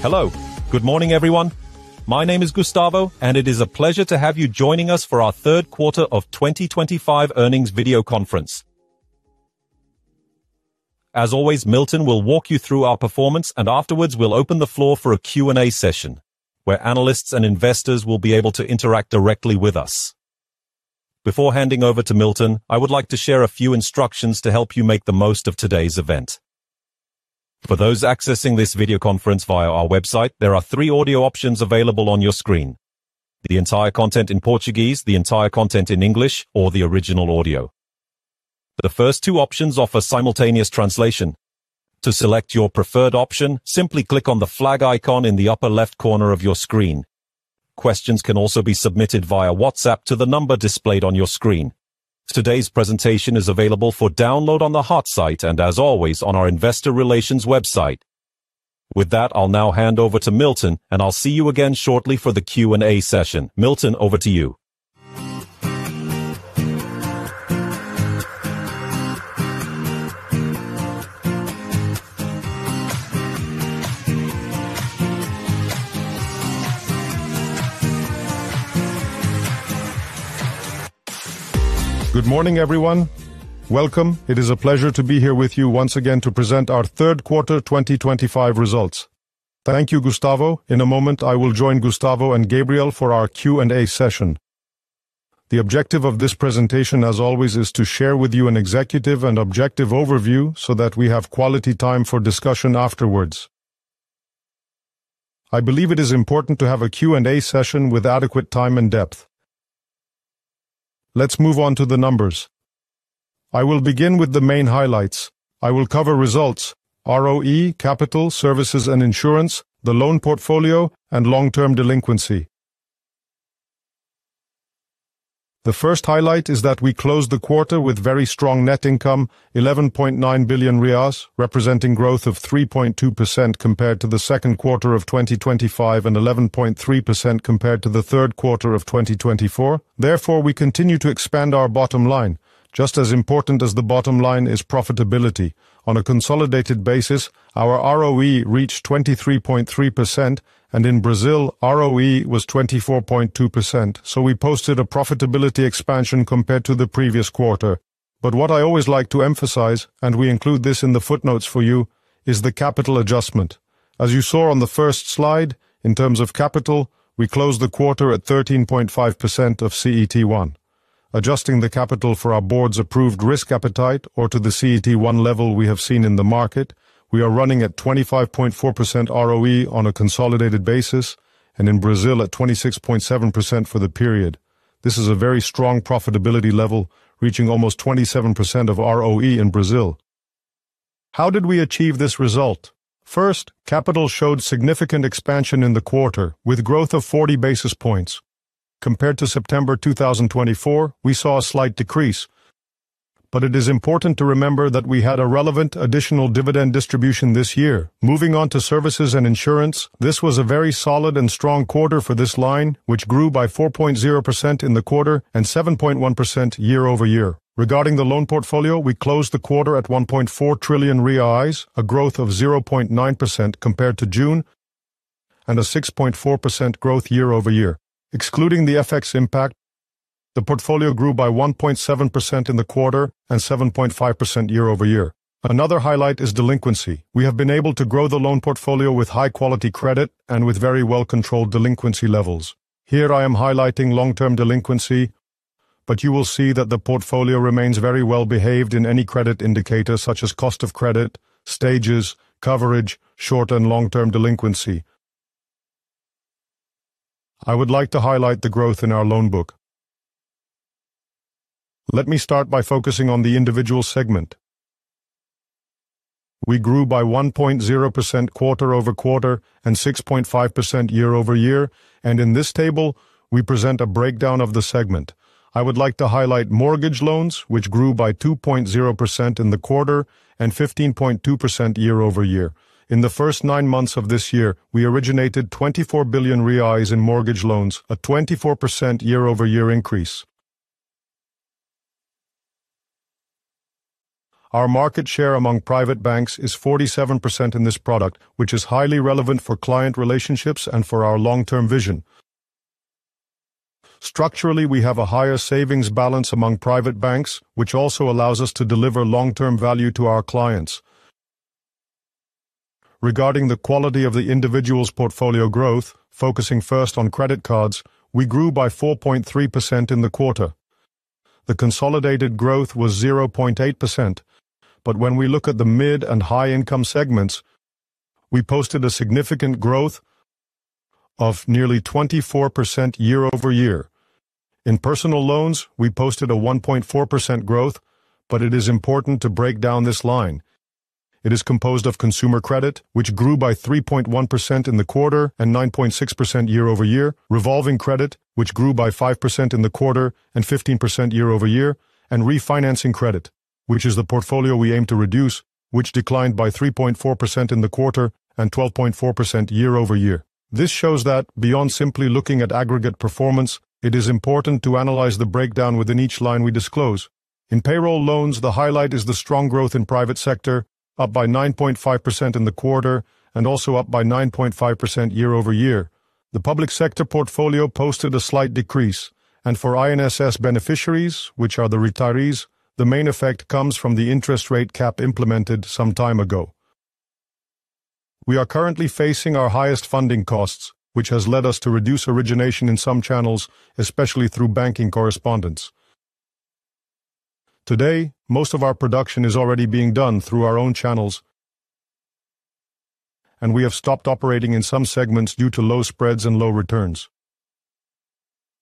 Hello. Good morning everyone. My name is Gustavo and it is a pleasure to have you joining us for our third quarter of 2025 earnings video conference. As always, Milton will walk you through our performance and afterwards we'll open the floor for a Q and A session where analysts and investors will be able to interact directly with us. Before handing over to Milton, I would like to share a few instructions to help you make the most of today's event. For those accessing this video conference via our website, there are three audio options available: the entire content in Portuguese, the entire content in English, or the original audio. The first two options offer simultaneous translation. To select your preferred option, simply click on the flag icon in the upper left corner of your screen. Questions can also be submitted via WhatsApp to the number displayed on your screen. Today's presentation is available for download on the hot site and as always on our investor relations website. With that, I'll now hand over to Milton and I'll see you again shortly for the Q and A session. Milton, over to you. Good morning everyone. Welcome. It is a pleasure to be here with you once again to present our third quarter 2025 results. Thank you, Gustavo. In a moment I will join Gustavo and Gabriel for our Q and A session. The objective of this presentation, as always, is to share with you an executive and objective overview so that we have quality time for discussion afterwards. I believe it is important to have a Q and A session with adequate time and depth. Let's move on to the numbers. I will begin with the main highlights. I will cover results, ROE, Capital Services and insurance, the loan portfolio and long term delinquency. The first highlight is that we closed the quarter with very strong net income. 11.9 billion, representing growth of 3.2% compared to the second quarter of 2025 and 11.3% compared to the third quarter of 2024. That was, therefore, we continue to expand our bottom line. Just as important as the bottom line is profitability. On a consolidated basis, our ROE reached 23.3% and in Brazil ROE was 24.2%. We posted a profitability expansion compared to the previous quarter. What I always like to emphasize, and we include this in the footnotes for you, is the capital adjustment. As you saw on the first slide. In terms of capital, we closed the quarter at 13.5% of CET1, adjusting the capital for our board's approved risk appetite or to the CET1 level we have seen in the market. We are running at 25.4% ROE on a consolidated basis and in Brazil at 26.7% for the period. This is a very strong profitability level reaching almost 27% of ROE in Brazil. How did we achieve this result? First, capital showed significant expansion in the quarter with growth of 40 basis points. Compared to September 2024, we saw a slight decrease, but it is important to remember that we had a relevant additional dividend distribution this year. Moving on to services and insurance, this was a very solid and strong quarter for this line which grew by 4.0% in the quarter and 7.1% year-over-year. Regarding the loan portfolio, we closed the quarter at 1.4 trillion reais, a growth of 0.9% compared to June and a 6.4% growth year-over-year. Excluding the FX impact, the portfolio grew by 1.7% in the quarter and 7.5% year-over-year. Another highlight is delinquency. We have been able to grow the loan portfolio with high quality credit and with very well controlled delinquency levels. Here I am highlighting long term delinquency, but you will see that the portfolio remains very well behaved in any credit indicator such as cost of credit, stages, coverage, short and long term delinquency. I would like to highlight the growth in our loan book. Let me start by focusing on the individual segment. We grew by 1.0% quarter-over-quarter and 6.5% year-over-year. In this table we present a breakdown of the segment. I would like to highlight mortgage loans which grew by 2.0% in the quarter and 15.2% year-over-year. In the first nine months of this year we originated 24 billion reais in mortgage loans, a 24% year-over-year increase. Our market share among private banks is 47% in this product which is highly relevant for client relationships and for our long term vision. Structurally, we have a higher savings balance among private banks which also allows us to deliver long term value to our clients. Regarding the quality of the individual's portfolio growth, focusing first on credit cards, we grew by 4.3% in the quarter. The consolidated growth was 0.8%. When we look at the mid and high income segments, we posted a significant growth of nearly 24% year-over-year. In personal loans, we posted a 1.4% growth. It is important to break down this line. It is composed of consumer credit, which grew by 3.1% in the quarter and 9.6% year-over-year, revolving credit, which grew by 5% in the quarter and 15% year-over-year, and refinancing credit, which is the portfolio we aim to reduce, which declined by 3.4% in the quarter and 12.4% year-over-year. This shows that beyond simply looking at aggregate performance, it is important to analyze the breakdown within each line we disclose. In payroll loans, the highlight is the strong growth in private sector, up by 9.5% in the quarter and also up by 9.5% year-over-year. The public sector portfolio posted a slight decrease, and for INSS beneficiaries, which are the retirees, the main effect comes from the interest rate cap implemented some time ago. We are currently facing our highest funding costs, which has led us to reduce origination in some channels, especially through banking correspondence. Today, most of our production is already being done through our own channels and we have stopped operating in some segments due to low spreads and low returns.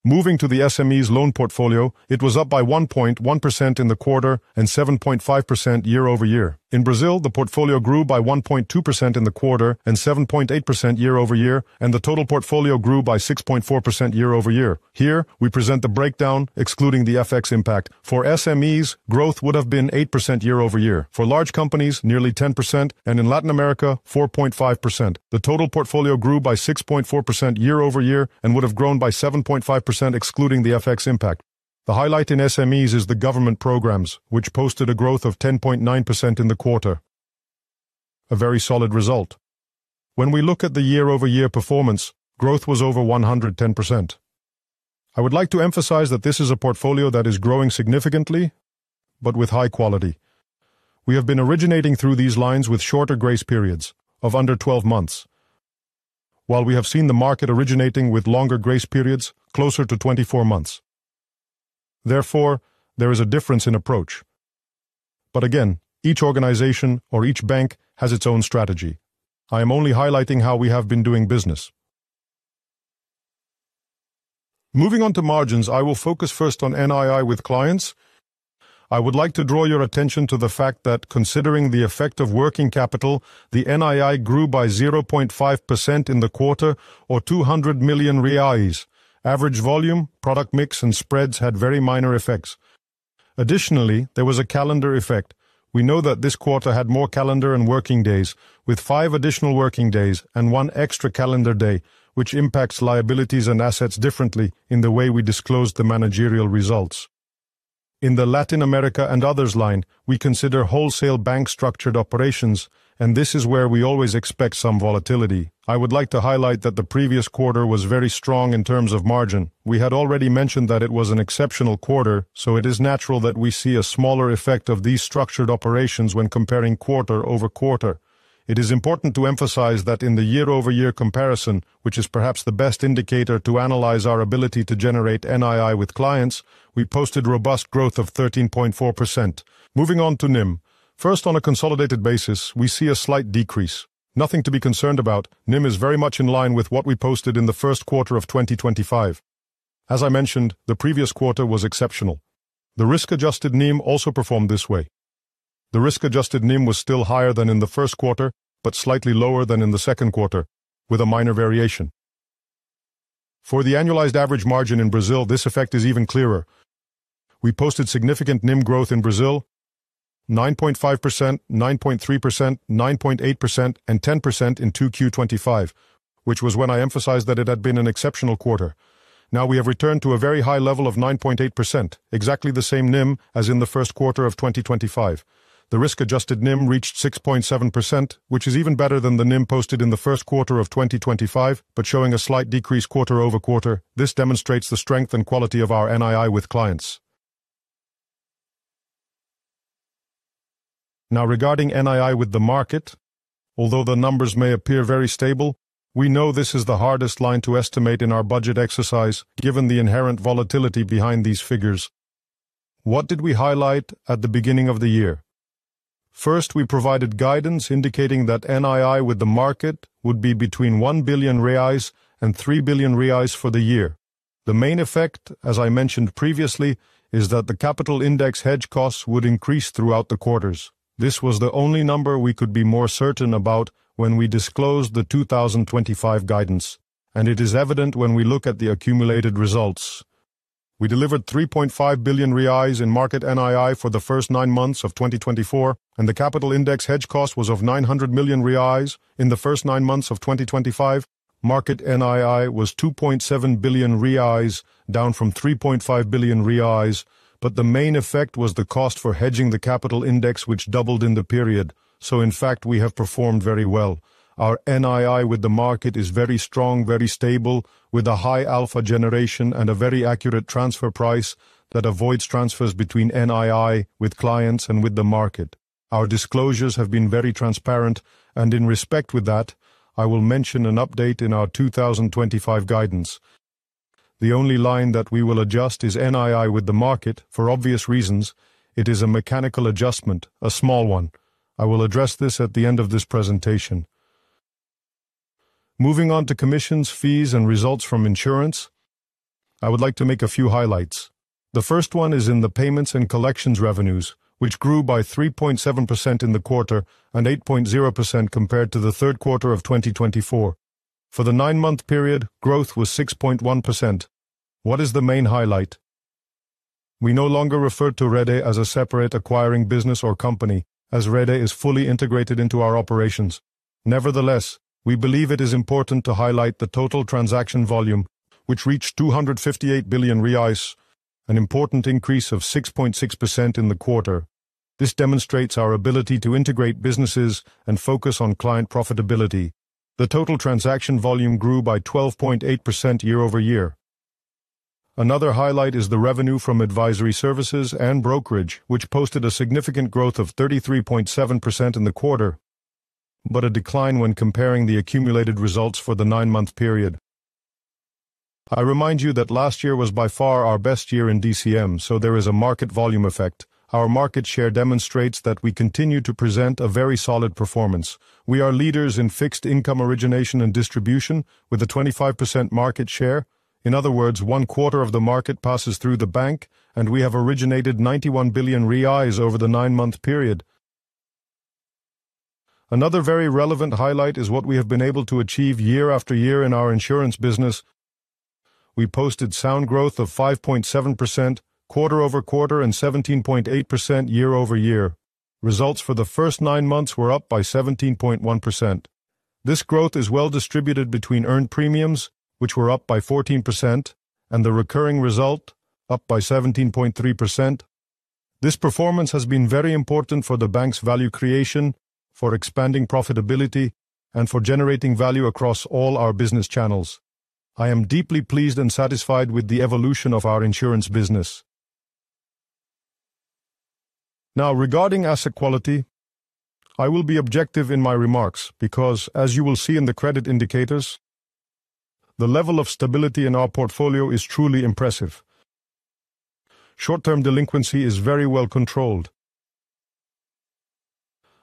Moving to the SMEs loan portfolio, it was up by 1.1% in the quarter and 7.5% year-over-year. In Brazil, the portfolio grew by 1.2% in the quarter and 7.8% year-over-year, and the total portfolio grew by 6.4% year-over-year. Here we present the breakdown. Excluding the FX impact for SMEs, growth would have been 8% year-over-year. For large companies, nearly 10%, and in Latin America, 4.5%. The total portfolio grew by 6.4% year-over-year and would have grown by 7.5% excluding the FX impact. The highlight in SMEs is the government programs, which posted a growth of 10.9% in the quarter, a very solid result. When we look at the year-over-year performance, growth was over 110%. I would like to emphasize that this is a portfolio that is growing significantly but with high quality. We have been originating through these lines with shorter grace periods of under 12 months. While we have seen the market originating with longer grace periods closer to 24 months. Therefore, there is a difference in approach. Again, each organization or each bank has its own strategy. I am only highlighting how we have been doing business. Moving on to margins, I will focus first on NII with clients. I would like to draw your attention to the fact that considering the effect of working capital, the NII grew by 0.5% in the quarter or 200 million reais. Average volume, product mix and spreads had very minor effects. Additionally, there was a calendar effect. We know that this quarter had more calendar and working days, with five additional working days and one extra calendar day, which impacts liabilities and assets differently in the way we disclosed the managerial results. In the Latin America and others line, we consider wholesale bank structured operations, and this is where we always expect some volatility. I would like to highlight that the previous quarter was very strong in terms of margin. We had already mentioned that it was an exceptional quarter, so it is natural that we see a smaller effect of these structured operations when comparing quarter-over-quarter. It is important to emphasize that in the year-over-year comparison, which is perhaps the best indicator to analyze our ability to generate NII with clients, we posted robust growth of 13.4%. Moving on to NIM first, on a consolidated basis we see a slight decrease. Nothing to be concerned about. NIM is very much in line with what we posted in the first quarter of 2025. As I mentioned, the previous quarter was exceptional. The risk-adjusted NIM also performed this way. The risk-adjusted NIM was still higher than in the first quarter but slightly lower than in the second quarter with a minor variation for the annualized average margin. In Brazil, this effect is even clearer. We posted significant NIM growth in Brazil 9.5%, 9.3%, 9.8%, and 10% in 2Q25, which was when I emphasized that it had been an exceptional quarter. Now we have returned to a very high level of 9.8% and exactly the same NIM as in the first quarter of 2025. The risk-adjusted NIM reached 6.7%, which is even better than the NIM posted in the first quarter of 2025 but showing a slight decrease quarter-over-quarter. This demonstrates the strength and quality of our NII with clients. Now, regarding NII with the market, although the numbers may appear very stable, we know this is the hardest line to estimate in our budget exercise. Given the inherent volatility behind these figures, what did we highlight at the beginning of the year? First, we provided guidance indicating that NII with the market would be between 1 billion reais and 3 billion reais for the year. The main effect, as I mentioned previously, is that the capital index hedge costs would increase throughout the quarters. This was the only number we could be more certain about when we disclosed the 2025 guidance and it is evident when we look at the accumulated results. We delivered 3.5 billion in market NII for the first nine months of 2024 and the capital index hedge cost was 900 million in the first nine months of 2025. Market NII was 2.7 billion down from 3.5 billion. The main effect was the cost for hedging the capital index which doubled in the period. In fact we have performed very well. Our NII with the market is very strong, very stable with a high alpha generation and a very accurate transfer price that avoids transfers between NII with clients and with the market. Our disclosures have been very transparent and in respect with that I will mention an update in our 2025 guidance. The only line that we will adjust is NII with the market. For obvious reasons it is a mechanical adjustment, a small one. I will address this at the end of this presentation. Moving on to commissions, fees and results from insurance, I would like to make a few highlights. The first one is in the payments and collections revenues which grew by 3.7% in the quarter and 8.0% compared to the third quarter of 2024. For the nine month period, growth was 6.1%. What is the main highlight? We no longer refer to REDE as a separate acquiring business or company as REDE is fully integrated into our operations. Nevertheless, we believe it is important to highlight the total transaction volume which reached 258 billion reais, an important increase of 6.6% in the quarter. This demonstrates our ability to integrate businesses and focus on client profitability. The total transaction volume grew by 12.8% year-over-year. Another highlight is the revenue from advisory services and brokerage which posted a significant growth of 33.7% in the quarter, but a decline when comparing the accumulated results for the nine month period. I remind you that last year was by far our best year in DCM, so there is a market volume effect. Our market share demonstrates that we continue to present a very solid performance. We are leaders in fixed income origination and distribution with a 25% market share. In other words, one quarter of the market passes through the bank and we have originated 91 billion reais over the nine month period. Another very relevant highlight is what we have been able to achieve year after year in our insurance business. We posted sound growth of 5.7% quarter-over-quarter and 17.8% year-over-year. Results for the first nine months were up by 17.1%. This growth is well distributed between earned premiums, which were up by 14%, and the recurring result up by 17.3%. This performance has been very important for the bank's value creation, for expanding profitability, and for generating value across all our business channels. I am deeply pleased and satisfied with the evolution of our insurance business. Now, regarding asset quality, I will be objective in my remarks because as you will see in the credit indicators, the level of stability in our portfolio is truly impressive. Short term delinquency is very well controlled.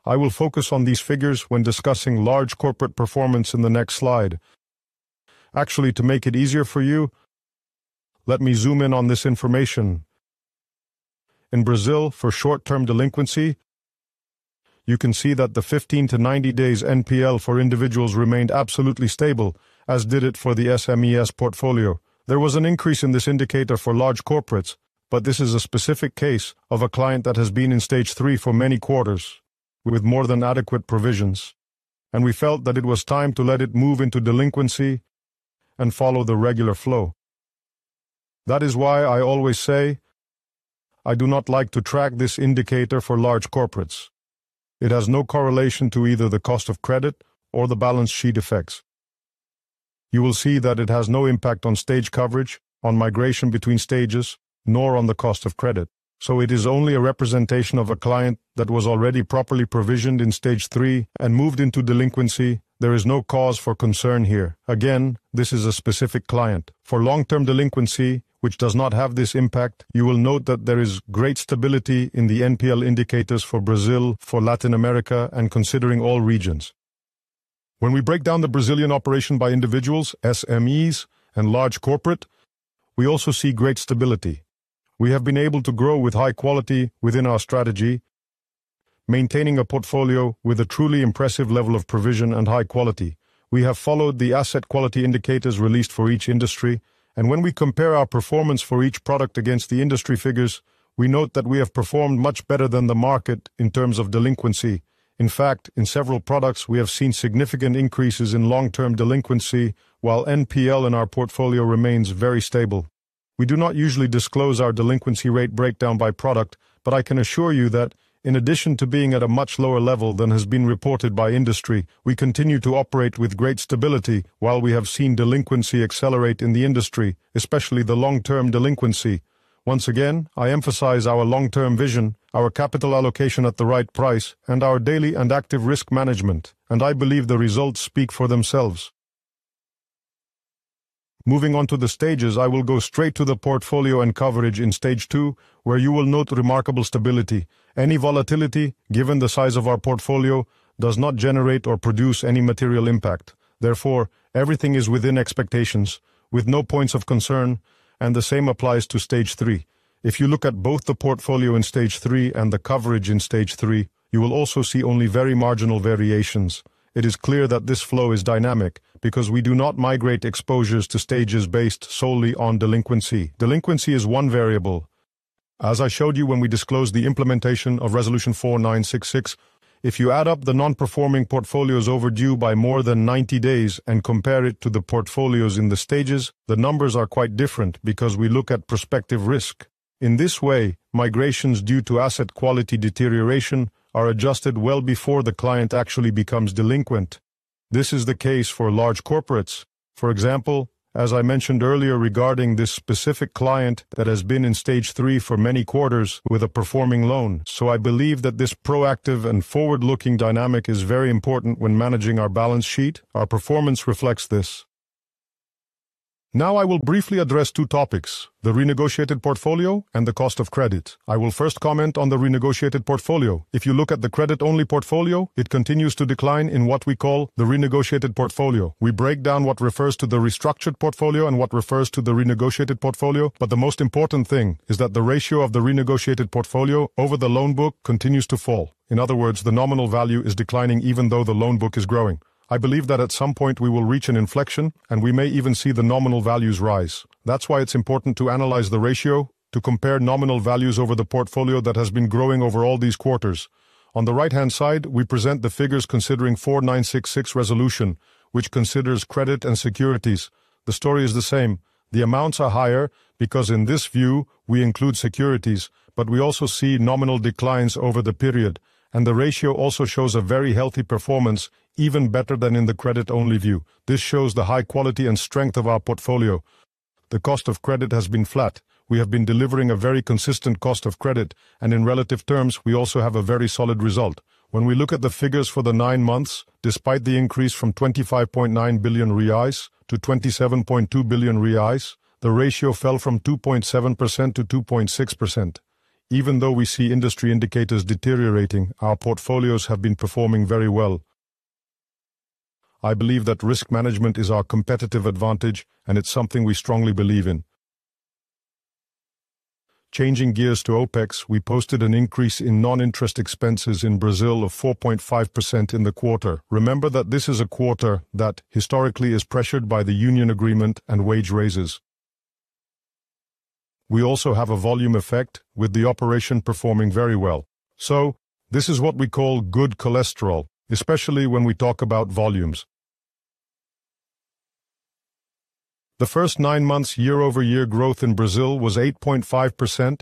I will focus on these figures when discussing large corporate performance in the next slide. Actually, to make it easier for you, let me zoom in on this information. In Brazil, for short term delinquency, you can see that the 15-90 days NPL for individuals remained absolutely stable, as did it for the SMEs portfolio. There was an increase in this indicator for large corporates, but this is a specific case of a client that has been in stage three for many quarters with more than adequate provisions and we felt that it was time to let it move into delinquency and follow the regular flow. That is why I always say I do not like to track this indicator for large corporates. It has no correlation to either the cost of credit or the balance sheet effects. You will see that it has no impact on stage coverage, on migration between stages, nor on the cost of credit. It is only a representation of a client that was already properly provisioned in stage three and moved into delinquency. There is no cause for concern here. Again, this is a specific client for long term delinquency which does not have this impact. You will note that there is great stability in the NPL indicators for Brazil, for Latin America, and considering all regions. When we break down the Brazilian operation by individuals, SMEs, and large corporate, we also see great stability. We have been able to grow with high quality within our strategy, maintaining a portfolio with a truly impressive level of provision and high quality. We have followed the asset quality indicators released for each industry, and when we compare our performance for each product against the industry figures, we note that we have performed much better than the market in terms of delinquency. In fact, in several products we have seen significant increases in long-term delinquency while NPL in our portfolio remains very stable. We do not usually disclose our delinquency rate breakdown by product, but I can assure you that in addition to being at a much lower level than has been reported by industry, we continue to operate with great stability. While we have seen delinquency accelerate in the industry, especially the long term delinquency. I emphasize our long term vision, our capital allocation at the right price and our daily and active risk management. I believe the results speak for themselves. Moving on to the stages, I will go straight to the portfolio and coverage in stage two where you will note remarkable stability. Any volatility given the size of our portfolio does not generate or produce any material impact. Therefore, everything is within expectations with no points of concern. The same applies to stage three. If you look at both the portfolio in stage three and the coverage in stage three, you will also see only very marginal variations. It is clear that this flow is dynamic because we do not migrate exposures to stages based solely on delinquency. Delinquency is one variable as I showed you when we disclosed the implementation of Resolution 4966. If you add up the non performing portfolios overdue by more than 90 days and compare it to the portfolios in the stages, the numbers are quite different because we look at prospective risk in this way, migrations due to asset quality deterioration are adjusted well before the client actually becomes delinquent. This is the case for large corporates. For example, as I mentioned earlier regarding this specific client that has been in stage three for many quarters with a performing loan. I believe that this proactive and forward-looking dynamic is very important when managing our balance sheet. Our performance reflects this. Now I will briefly address two, the renegotiated portfolio and the cost of credit. I will first comment on the renegotiated portfolio. If you look at the credit-only portfolio, it continues to decline. In what we call the renegotiated portfolio, we break down what refers to the restructured portfolio and what refers to the renegotiated portfolio. The most important thing is that the ratio of the renegotiated portfolio over the loan book continues to fall. In other words, the nominal value is declining even though the loan book is growing. I believe that at some point we will reach an inflection and we may even see the nominal values rise. That's why it's important to analyze the ratio to compare nominal values over the portfolio that has been growing over all these quarters. On the right hand side we present the figures considering 4,966 resolution which considers credit and securities. The story is the same. The amounts are higher because in this view we include securities, but we also see nominal declines over the period and the ratio also shows a very healthy performance even better than in the credit only view. This shows the high quality and strength of our portfolio. The cost of credit has been flat. We have been delivering a very consistent cost of credit and in relative terms we also have a very solid result. When we look at the figures for the nine months, despite the increase from 25.9 billion reais to 27.2 billion reais, the ratio fell from 2.7% to 2.6%. Even though we see industry indicators deteriorating, our portfolios have been performing very well. I believe that risk management is our competitive advantage and it's something we strongly believe in. Changing gears to OpEx, we posted an increase in non-interest expenses in Brazil of 4.5% in the quarter. Remember that this is a quarter that historically is pressured by the union agreement and wage raises. We also have a volume effect with the operation performing very well. This is what we call good cholesterol, especially when we talk about volumes. The first nine months, year-over-year, growth in Brazil was 8.5%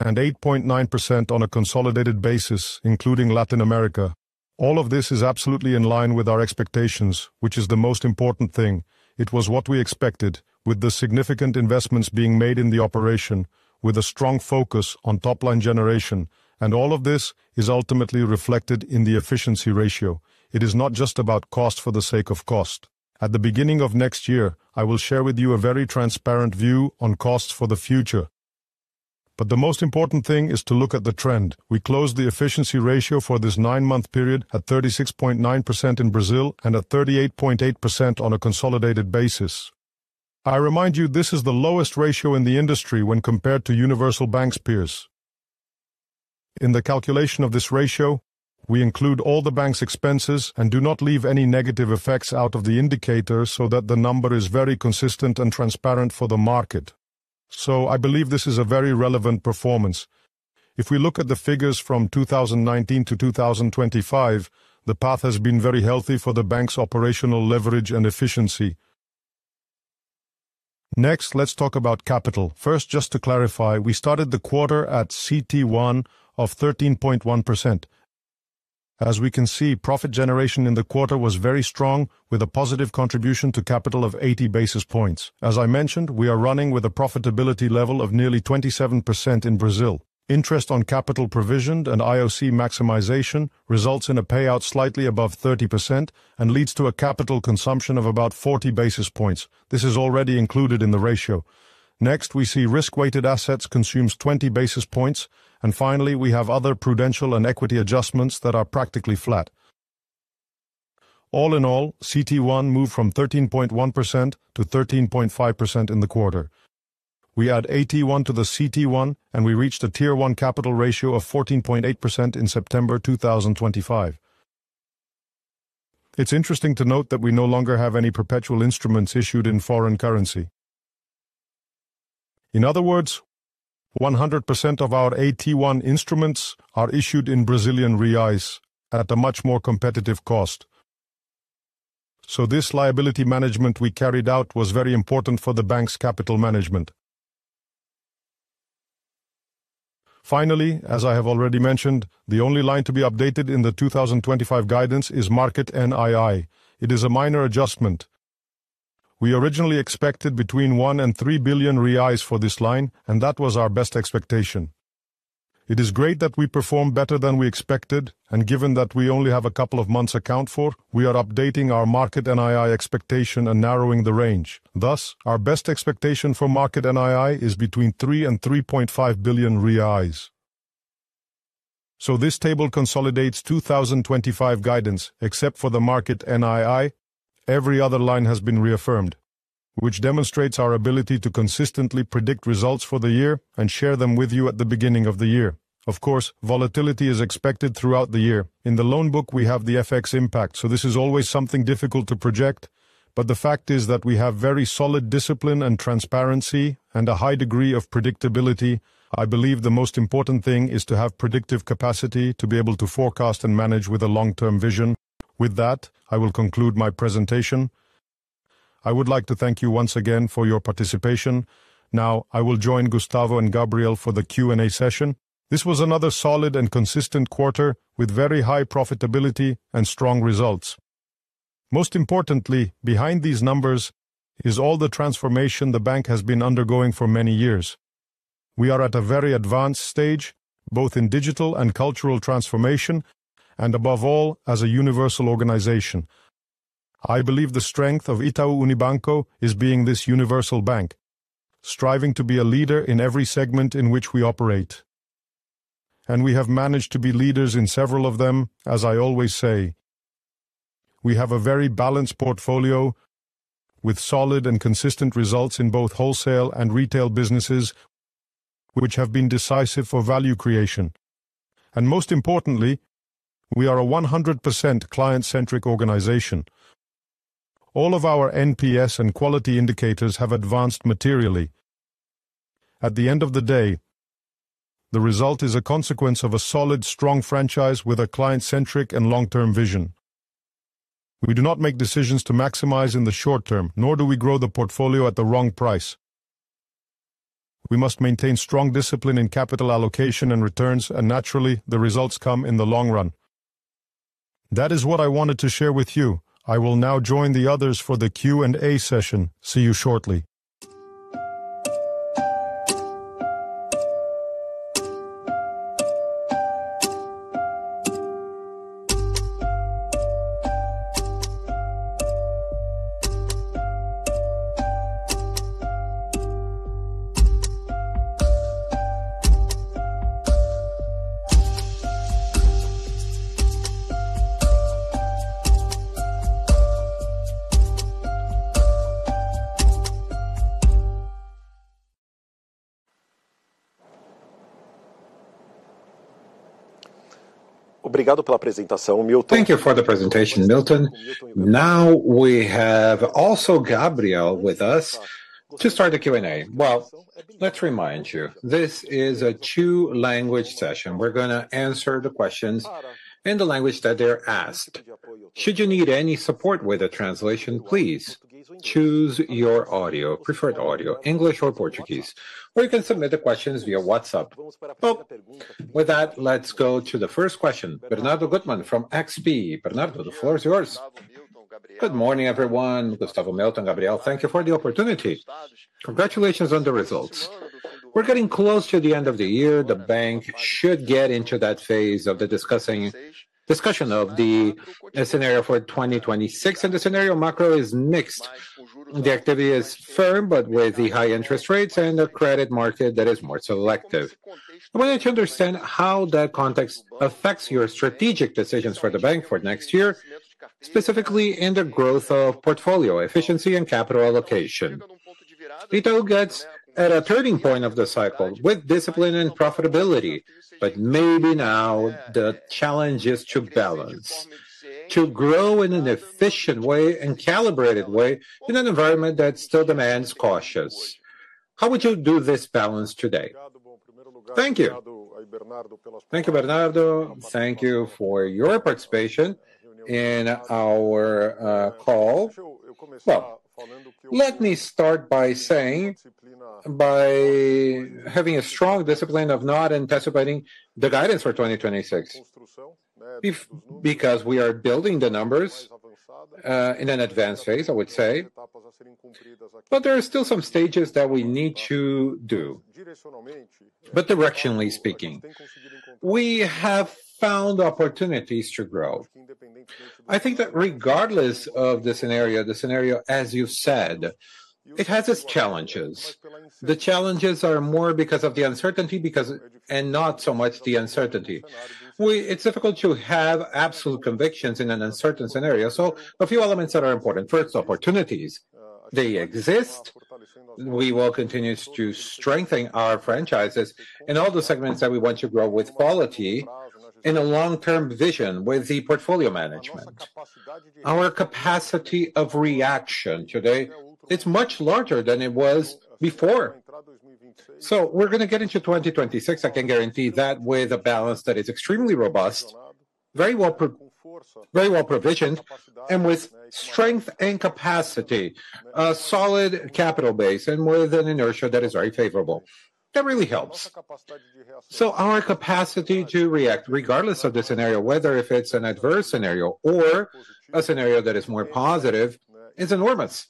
and 8.9% on a consolidated basis, including Latin America. All of this is absolutely in line with our expectations, which is the most important thing. It was what we expected with the significant investments being made in the operation with a strong focus on top line generation. All of this is ultimately reflected in the efficiency ratio. It is not just about cost. For the sake of cost at the beginning of next year, I will share with you a very transparent view on costs for the future. The most important thing is to look at the trend. We closed the efficiency ratio for this nine month period at 36.9% in Brazil and at 38.8% on a consolidated basis. I remind you this is the lowest ratio in the industry when compared to Universal Bank's peers. In the calculation of this ratio, we include all the bank's expenses and do not leave any negative effects out of the indicator so that the number is very consistent and transparent for the market. I believe this is a very relevant performance. If we look at the figures from 2019 to 2025, the path has been very healthy for the bank's operational leverage and efficiency. Next, let's talk about capital. First, just to clarify, we started the quarter at CET1 of 13.1%. As we can see, profit generation in the quarter was very strong with a positive contribution to capital of 80 basis points. As I mentioned, we are running with a profitability level of nearly 27% in Brazil, interest on capital provisioned and IOC maximization results in a payout slightly above 30% and leads to a capital consumption of about 40 basis points. This is already included in the ratio. Next we see risk weighted assets consumes 20 basis points. Finally, we have other prudential and equity adjustments that are practically flat. All in all, CET1 moved from 13.1% to 13.5% in the quarter. We add 81 to the CET1 and we reached a Tier 1 capital ratio of 14.8% in September 2025. It's interesting to note that we no longer have any perpetual instruments issued in foreign currency. In other words, 100% of our AT1 instruments are issued in Brazilian Reais at a much more competitive cost. This liability management we carried out was very important for the bank's capital management. Finally, as I have already mentioned, the only line to be updated in the 2025 guidance is market NII. It is a minor adjustment. We originally expected between 1 billion and 3 billion reais for this line and that was our best expectation. It is great that we perform better than we expected. Given that we only have a couple of months to account for, we are updating our Market NII expectation and narrowing the range. Thus, our best expectation for Market NII is between 3 billion and 3.5 billion. This table consolidates 2025 guidance. Except for the Market NII, every other line has been reaffirmed, which demonstrates our ability to consistently predict results for the year and share them with you at the beginning of the year. Of course, volatility is expected throughout the year. In the loan book we have the FX impact, so this is always something difficult to project. The fact is that we have very solid discipline and transparency and a high degree of predictability. I believe the most important thing is to have predictive capacity to be able to forecast and manage with a long-term vision. With that, I will conclude my presentation. I would like to thank you once again for your participation. Now I will join Gustavo and Gabriel for the Q and A session. This was another solid and consistent quarter with very high profitability and strong results. Most importantly, behind these numbers is all the transformation the bank has been undergoing for many years. We are at a very advanced stage both in digital and cultural transformation and above all as a universal organization. I believe the strength of Itaú Unibanco is being this universal bank striving to be a leader in every segment in which we operate. We have managed to be leaders in several of them. As I always say, we have a very balanced portfolio with solid and consistent results in both wholesale and retail businesses which have been decisive for value creation. Most importantly, we are a 100% client centric organization. All of our NPS and quality indicators have advanced materially. At the end of the day, the result is a consequence of a solid, strong franchise with a client centric and long term vision. We do not make decisions to maximize in the short term, nor do we grow the portfolio at the wrong price. We must maintain strong discipline in capital allocation and returns and naturally the results come in the long run, that is what I wanted to share with you. I will now join the others for the Q and A session. See you shortly. Thank you for the presentation, Milton. Now we have also Gabriel with us to start the Q and A. Let's remind you this is a two language session. We're going to answer the questions in the language that they're asked. Should you need any support with the translation, please choose your preferred audio, English or Portuguese, or you can submit the questions via WhatsApp. With that, let's go to the first question. Bernardo Gutman from XP. Bernardo, the floor is yours. Good morning, everyone. Gustavo, Milton, Gabriel, thank you for the opportunity. Congratulations on the results. We're getting close to the end of the year. The bank should get into that phase of the discussion of the scenario for 2026. The scenario macro is mixed. The activity is firm, but with high interest rates and a credit market that is more selective. I wanted to understand how that context affects your strategic decisions for the bank for next year. Specifically in the growth of portfolio efficiency and capital allocation. Itaú gets at a turning point of the cycle with discipline and profitability. Maybe now the challenge is to balance, to grow in an efficient way and calibrated way in an environment that still demands caution. How would you do this balance today? Thank you. Thank you, Bernardo. Thank you for your participation in our call. Let me start by saying by having a strong discipline of not anticipating the guidance for 2026, because we are building the numbers in an advanced phase, I would say, but there are still some stages that we need to do. Directionally speaking, we have found opportunities to grow. I think that regardless of the scenario, as you have said, it has its challenges. The challenges are more because of the uncertainty, and not so much the uncertainty. It is difficult to have absolute convictions in an uncertain scenario. A few elements that are important. First, opportunities. They exist. We will continue to strengthen our franchises in all the segments that we want to grow with quality in a long term vision. With the portfolio management. Our capacity of reaction today, it's much larger than it was before. We are going to get into 2026. I can guarantee that with a balance that is extremely robust, very well, very well provisioned and with strength and capacity, solid capital base and with an inertia that is very favorable, that really helps. Our capacity to react, regardless of the scenario, whether if it's an adverse scenario or a scenario that is more positive, is enormous.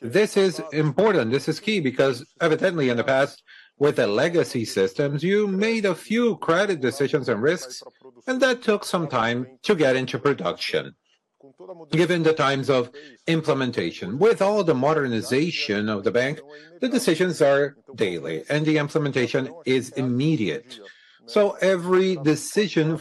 This is important. This is key. Because evidently in the past with the legacy systems, you made a few credit decisions and risks and that took some time to get into production. Given the times of implementation, with all the modernization of the bank, the decisions are daily and the implementation is immediate. Every decision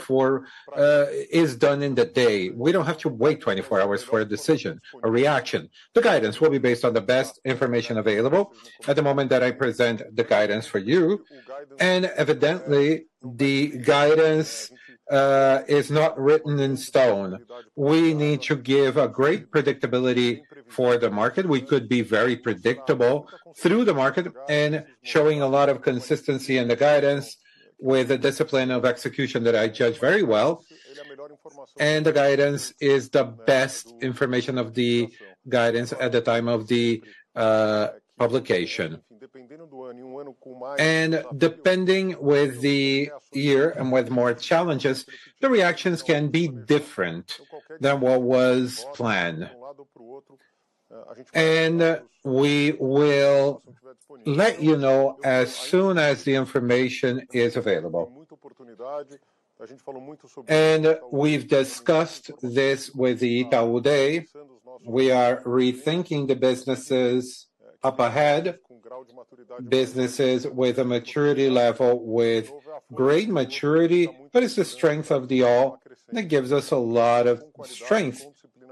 is done in the day. We do not have to wait 24 hours for a decision, a reaction. The guidance will be based on the best information available at the moment that I present the guidance for you. Evidently, the guidance is not written in stone. We need to give great predictability for the market. We could be very predictable through the market and showing a lot of consistency in the guidance with a discipline of execution that I judge very well. The guidance is the best information of the guidance at the time of the publication. Depending on the year, and with more challenges, the reactions can be different than what was planned. We will let you know as soon as the information is available. We have discussed this with Itaú Unibanco. We are rethinking the businesses up ahead. Businesses with a maturity level, with great maturity, but it is the strength of the all that gives us a lot of strength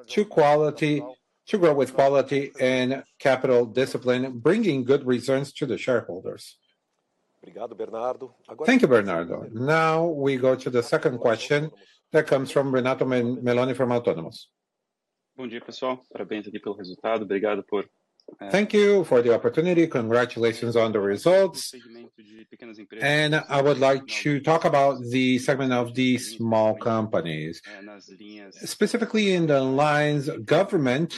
to quality, to grow with quality and capital discipline, bringing good results to the shareholders. Thank you, Bernardo. Now we go to the second question that comes from Renato Meloni from Autonomous. Thank you for the opportunity. Congratulations on the results. I would like to talk about the segment of these small companies, specifically in the lines government.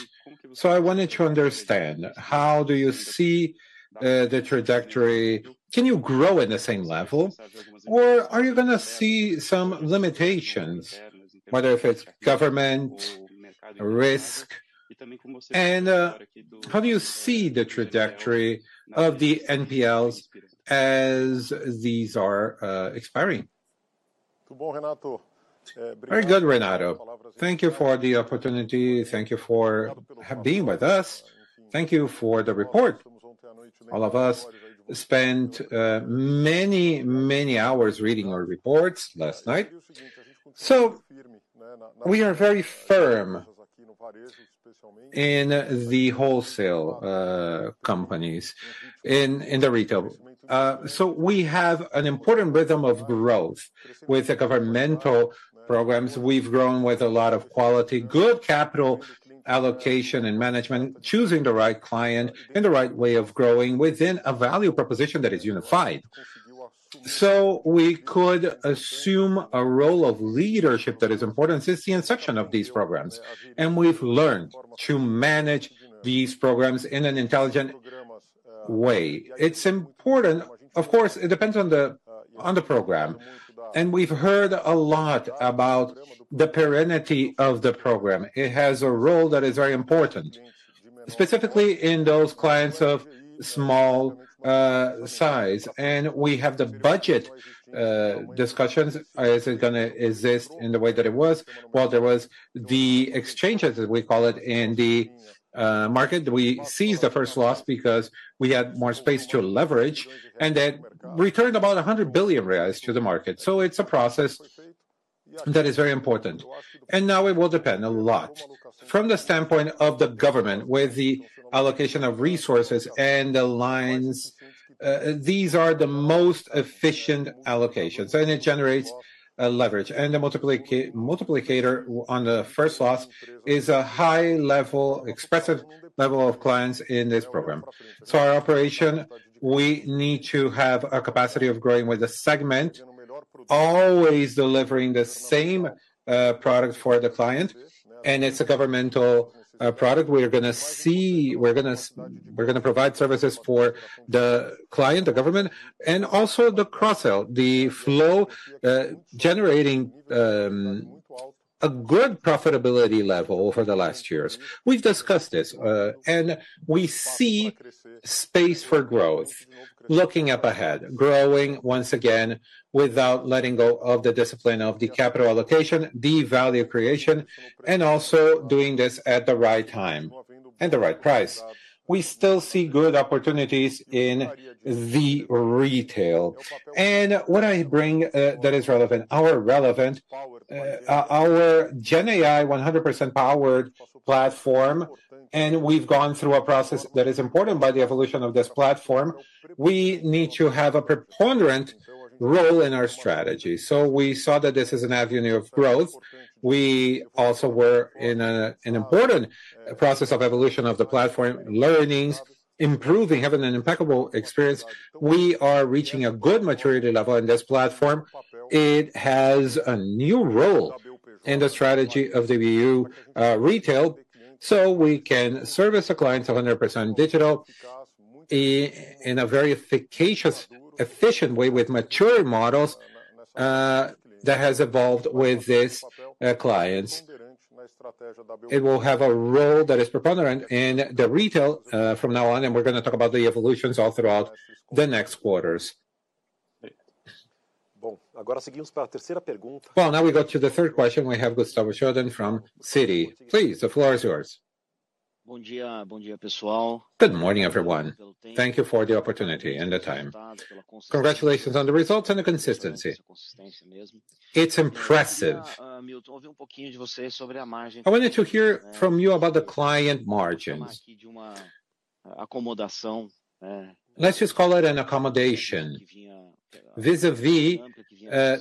I wanted to understand how do you see the trajectory? Can you grow in the same level or are you gonna see some limitations whether if it is government risk? How do you see the trajectory of the NPLs as these are expiring? Very good, Renato, thank you for the opportunity. Thank you for being with us. Thank you for the report. All of us spent many, many hours reading our reports last night. We are very firm in the wholesale companies, in the retail. We have an important rhythm of growth with the governmental programs. We have grown with a lot of quality, good capital allocation and management, choosing the right client and the right way of growing within a value proposition that is unified. We could assume a role of leadership that is important since the inception of these programs. We have learned to manage these programs in an intelligent way. It is important. Of course, it depends on the program. We have heard a lot about the perennity of the program. It has a role that is very important, specifically in those clients of small size. We have the budget discussions. Is it going to exist in the way that it was while there was the exchanges as we call it in the market. We seized the first loss because we had more space to leverage and then returned about 100 billion reais to the market. It is a process that is very important and now it will depend a lot from the standpoint of the government with the allocation of resources and the lines. These are the most efficient allocations and it generates leverage. The multiplication multiplicator on the first loss is a high level, expressive level of clients in this program. Our operation, we need to have a capacity of growing with a segment always delivering the same product for the client. It is a governmental product. We are going to see, we are going to. We're going to provide services for the client, the government, and also cross sell the flow, generating a good profitability level. Over the last years we've discussed this and we see space for growth looking up ahead, growing once again without letting go of the discipline of the capital allocation, the value creation, and also doing this at the right time and the right price. We still see good opportunities in the retail, and what I bring that is relevant, our Genai 100% powered platform, and we've gone through a process that is important by the evolution of this platform. We need to have a preponderant role in our strategy. We saw that this is an avenue of growth. We also were in an important process of evolution of the platform, learnings, improving, having an impeccable experience. We are reaching a good maturity level in this platform. It has a new role in the strategy of the EU retail so we can service the clients 100% digital in a very efficacious, efficient way with mature models that have evolved with these clients. It will have a role that is preponderant in the retail from now on. We are going to talk about the evolutions all throughout the next quarters. Now we go to the third question. We have Gustavo Shoden from Citi, please. The floor is yours. Good morning everyone. Thank you for the opportunity and the time. Congratulations on the results and the consistency. It's impressive. I wanted to hear from you about the client margins. Let's just call it an accommodation vis a vis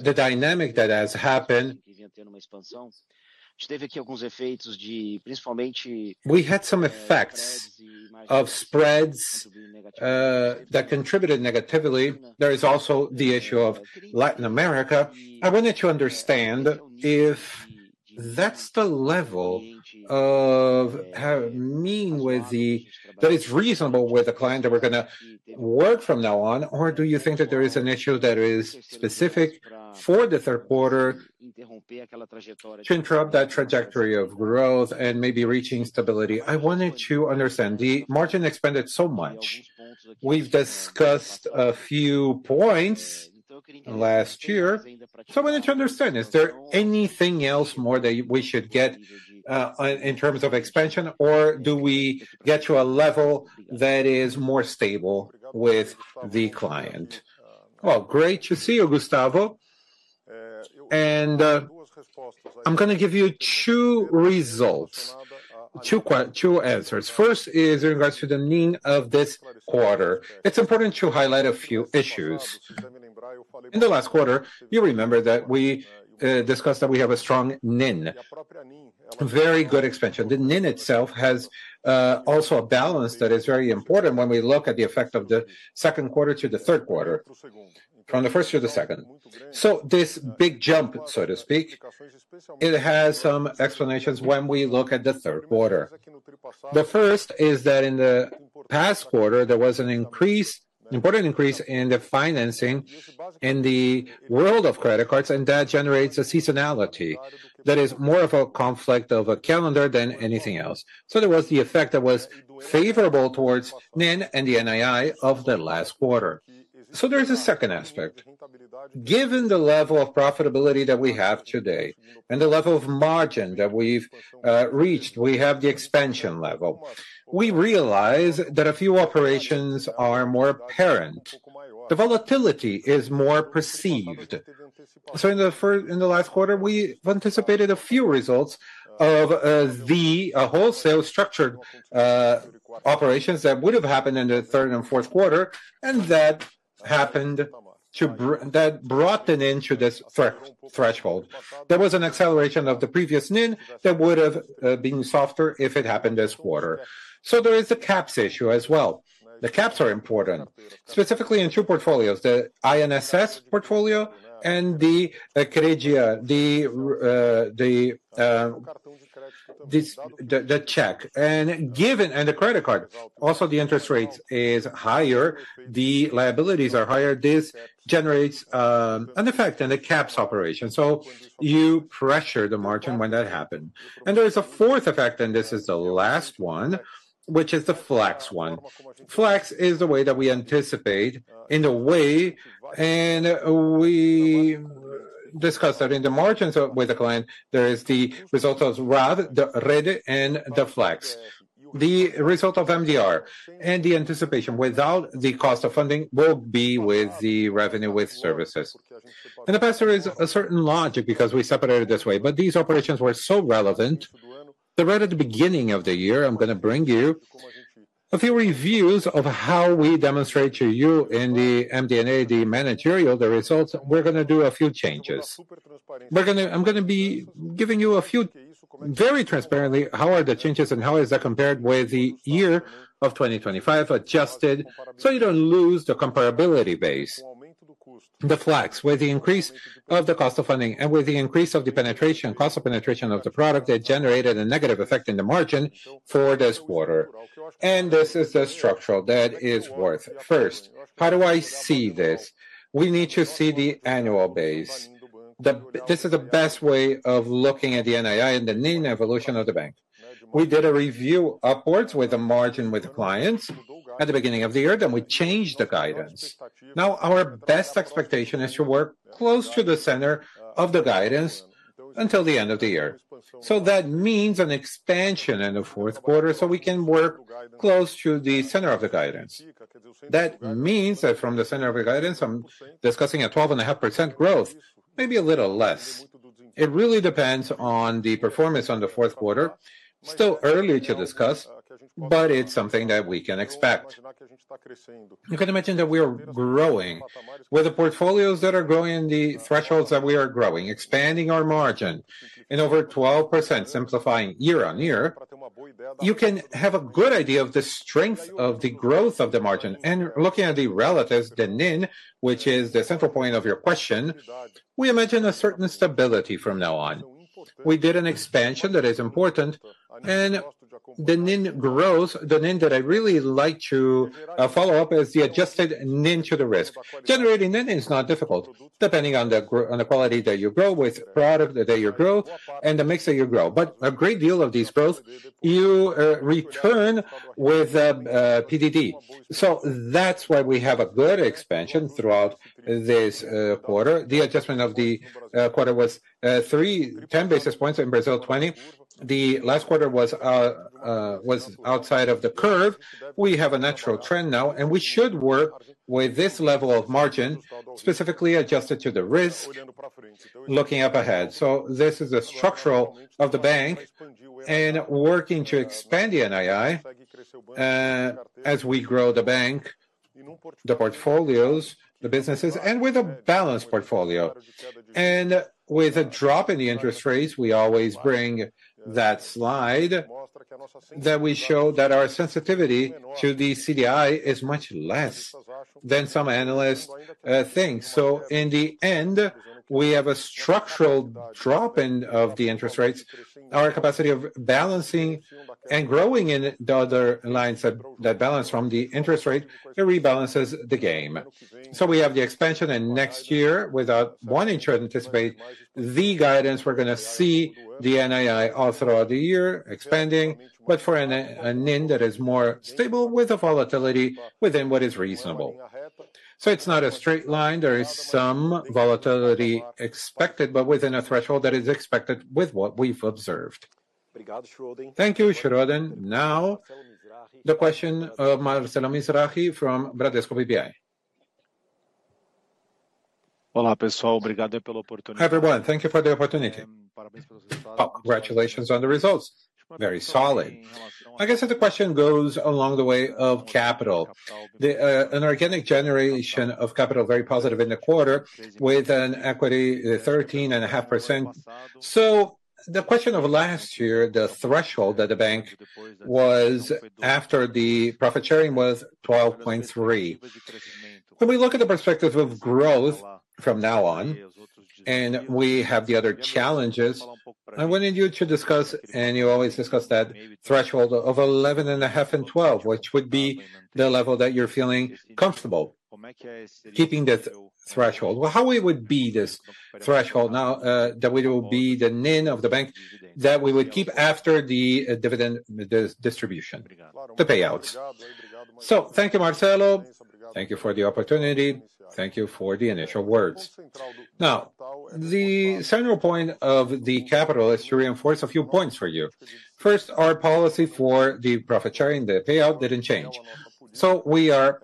the dynamic that has happened. We had some effects of spreads that contributed negatively. There is also the issue of Latin America. I wanted to understand if that's the level of how many mean with the that is reasonable with the client that we're going to work from now on. Or do you think that there is an issue that is specific for the third quarter to interrupt that trajectory of growth and maybe reaching stability. I wanted to understand the margin expanded so much. We've discussed a few points last year. We need to understand is there anything else more that we should get in terms of expansion or do we get to a level that is more stable with the client? Great to see you, Gustavo. I'm going to give you two results. Two answers. First is in regards to the NII of this quarter. It's important to highlight a few issues in the last quarter. You remember that we discussed that we have a strong NIM, very good expansion. The NIM itself has also a balance that is very important when we look at the effect of the second quarter to the third quarter, from the first to the second. This big jump, so to speak, has some explanations when we look at the third quarter. The first is that in the past quarter there was an increase, important increase in the financing in the world of credit cards. That generates a seasonality that is more of a conflict of a calendar than anything else. There was the effect that was favorable towards NIM and the NII of the last quarter. There is a second aspect. Given the level of profitability that we have today and the level of margin that we've reached, we have the expansion level. We realize that a few operations are more apparent. The volatility is more perceived. In the first, in the last quarter we anticipated a few results of the wholesale structured operations that would have happened in the third and fourth quarter. That happened, that brought the NII to this threshold. There was an acceleration of the previous NII that would have been softer if it happened this quarter. There is a caps issue as well. The caps are important specifically in two portfolios, the INS portfolio and the Koregia. The check and given and the credit card also, the interest rates are higher, the liabilities are higher. This generates an effect in the caps operation. You pressure the margin when that happened. There is a fourth effect, and this is the last one, which is the flex one. Flex is the way that we anticipate in a way. We discussed that in the margins with the client, there is the result of RAD, the REDE and the Flex. The result of MDR. The anticipation without the cost of funding will be with the revenue with services. In the past there is a certain logic because we separated this way. These operations were so relevant right at the beginning of the year. I'm going to bring you a few reviews of how we demonstrate to you in the MDNA, the managerial. The results of. We're going to do a few changes. I'm going to be giving you a few very transparently. How are the changes and how is that compared with the year of 2025 adjusted so you do not lose the comparability base, the flex with the increase of the cost of funding and with the increase of the penetration cost of penetration of the product that generated a negative effect in the margin for this quarter. This is the structural debt is worth first, how do I see this? We need to see the annual base. This is the best way of looking at the NII and the evolution of the bank. We did a review upwards with a margin with clients at the beginning of the year. Then we changed the guidance. Now our best expectation is to work close to the center of the guidance until the end of the year. That means an expansion in the fourth quarter. We can work close to the center of the guidance. That means that from the center of the guidance I am discussing a 12.5% growth, maybe a little less. It really depends on the performance in the fourth quarter. Still early to discuss, but it is something that we can expect. You can imagine that we are growing with the portfolios that are growing. The thresholds that we are growing, expanding our margin in over 12%, simplifying year on year. You can have a good idea of the strength of the growth of the margin. Looking at the relatives, the NIM, which is the central point of your question, we imagine a certain stability from now on. We did an expansion that is important and the NIM grows. The NIM that I really like to follow up is the adjusted NIM to the risk generating NIM is not difficult. Depending on the quality that you grow with, product that you grow, and the mix that you grow. But a great deal of this growth you return with PDD. That's why we have a good expansion throughout this quarter. The adjustment of the quarter was 10 basis points in Brazil, 20. The last quarter was outside of the curve. We have a natural trend now, and we should work with this level of margin, specifically adjusted to the risk looking up ahead. This is a structural of the bank and working to expand the NII. As we grow the bank, the portfolios, the businesses, and with a balanced portfolio and with a drop in the interest rates, we always bring that slide that we show that our sensitivity to the CDI is much less than some analysts think. In the end we have a structural drop in the interest rates, our capacity of balancing and growing in the other lines that balance from the interest rate, it rebalances the game. We have the expansion and next year without one interest, anticipate the guidance. We're going to see the NII all throughout the year expanding. For a NIM that is more stable with the volatility within what is reasonable. It's not a straight line. There is some volatility expected, but within a threshold that is expected with what we've observed. Thank you, Sherodden. Now the question of Marcelo Mizrahi from Bradesco BPI. Everyone, thank you for the opportunity. Congratulations on the results. Very solid. I guess the question goes along the way of capital, an organic generation of capital very positive in the quarter with an equity 13.5%. The question of last year, the threshold that the bank was after the profit sharing was 12.3. When we look at the perspective of growth from now on, and we have the other challenges I wanted you to discuss and you always discuss that threshold of 11 and a half and 12, which would be the level that you are feeling comfortable keeping that threshold. How would this threshold be now that we will be the NII of the bank that we would keep after the dividend distribution, the payouts. Thank you, Marcelo. Thank you for the opportunity. Thank you for the initial words. The central point of the capital is to reinforce a few points for you. First, our policy for the profit sharing, the payout, did not change. We are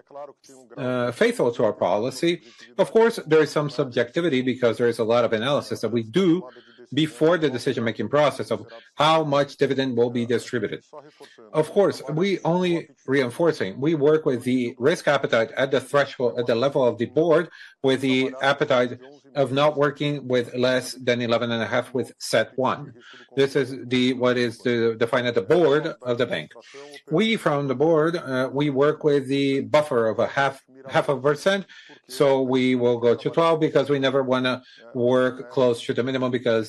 faithful to our policy. Of course there is some subjectivity because there is a lot of analysis that we do before the decision making process of how much dividend will be distributed. Of course we are only reinforcing. We work with the risk appetite at the threshold at the level of the board with the appetite of not working with less than 11.5% with CET1. This is what is defined at the board of the bank. We from the board we work with the buffer of a half, half a percent. So we will go to 12% because we never want to work close to the minimum. Because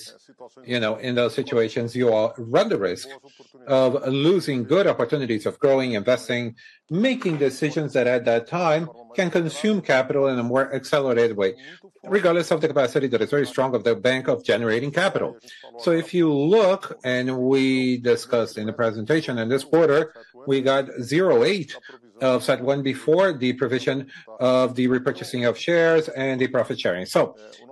you know in those situations you run the risk of losing good opportunities of growing, investing, making decisions that at that time can consume capital in a more accelerated way, regardless of the capacity that is very strong of the bank of generating capital. If you look, and we discussed in the presentation, this quarter we got 0.8 of CET1 before the provision of the repurchasing of shares and the profit sharing.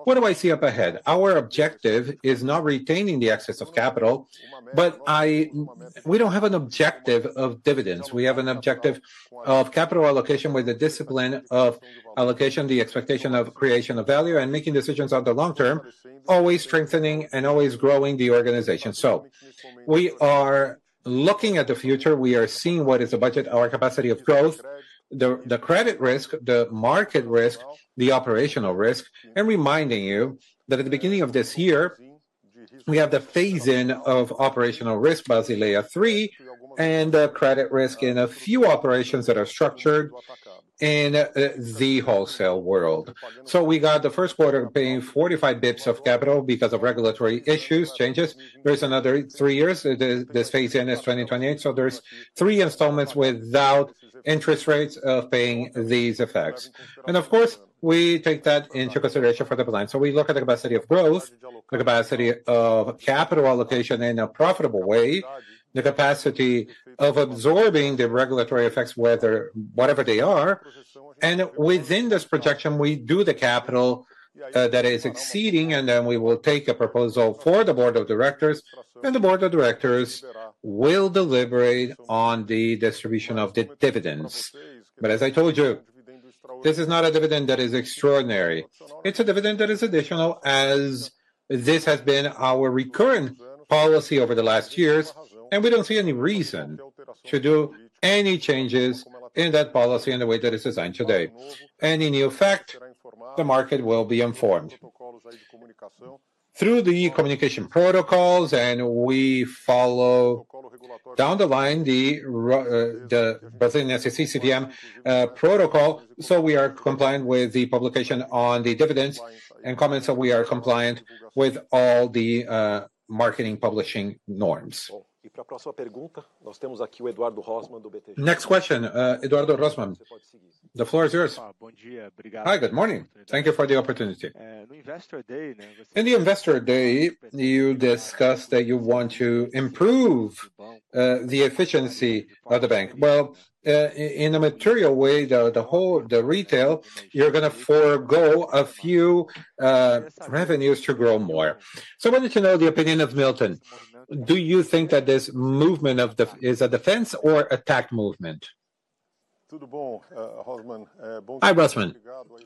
What do I see up ahead? Our objective is not retaining the excess of capital, but we do not have an objective of dividends. We have an objective of capital allocation. With the discipline of allocation, the expectation of creation of value, and making decisions on the long term, always strengthening and always growing the organization. We are looking at the future. We are seeing what is the budget, our capacity of growth, the credit risk, the market risk, the operational risk. Reminding you that at the beginning of this year we have the phase-in of operational risk, Basel III and credit risk in a few operations that are structured in the wholesale world. We got the first quarter paying 45 basis points of capital because of regulatory issues changes. There is another three years. This phase-in is 2028. There are three installments without interest rates of paying these effects. Of course we take that into consideration for the plan. We look at the capacity of growth, the capacity of capital allocation in a profitable way, the capacity of absorbing the regulatory effects, whatever they are. Within this projection we do the capital that is exceeding. We will take a proposal for the board of directors. The board of directors will deliberate on the distribution of the dividends. As I told you, this is not a dividend that is extraordinary. It is a dividend that is additional, as this has been our recurrent dividend policy over the last years. We do not see any reason to do any changes in that policy in the way that it is designed today. In fact, the market will be informed through the communication protocols. We follow down the line the Brazilian SEC CPM protocol. We are compliant with the publication on the dividends and comments that we are compliant with all the marketing publishing norms. Next question. Eduardo Rossman, the floor is yours. Hi, good morning. Thank you for the opportunity.In the investor day, you discussed that you want to improve the efficiency of the bank. In a material way, the whole. The retail. You're gonna forego a few revenues to grow more. I wanted to know the opinion of Milton. Do you think that this movement is a defense or attack movement? Hi, Rossman,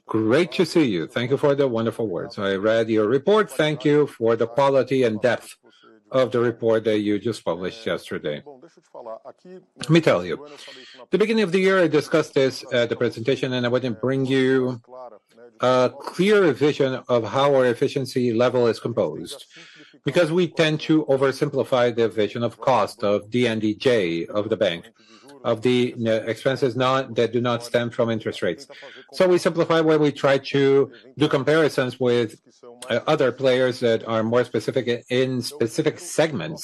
great to see you. Thank you for the wonderful words. I read your report. Thank you for the quality and depth of the report that you just published yesterday. Let me tell you, at the beginning of the year, I discussed this, the presentation, and I would not bring you a clear vision of how our efficiency level is composed because we tend to oversimplify the vision of cost of DNDJ of the bank, of the expenses that do not stem from interest rates. We simplify where we try to do comparisons with other players that are more specific in specific segments.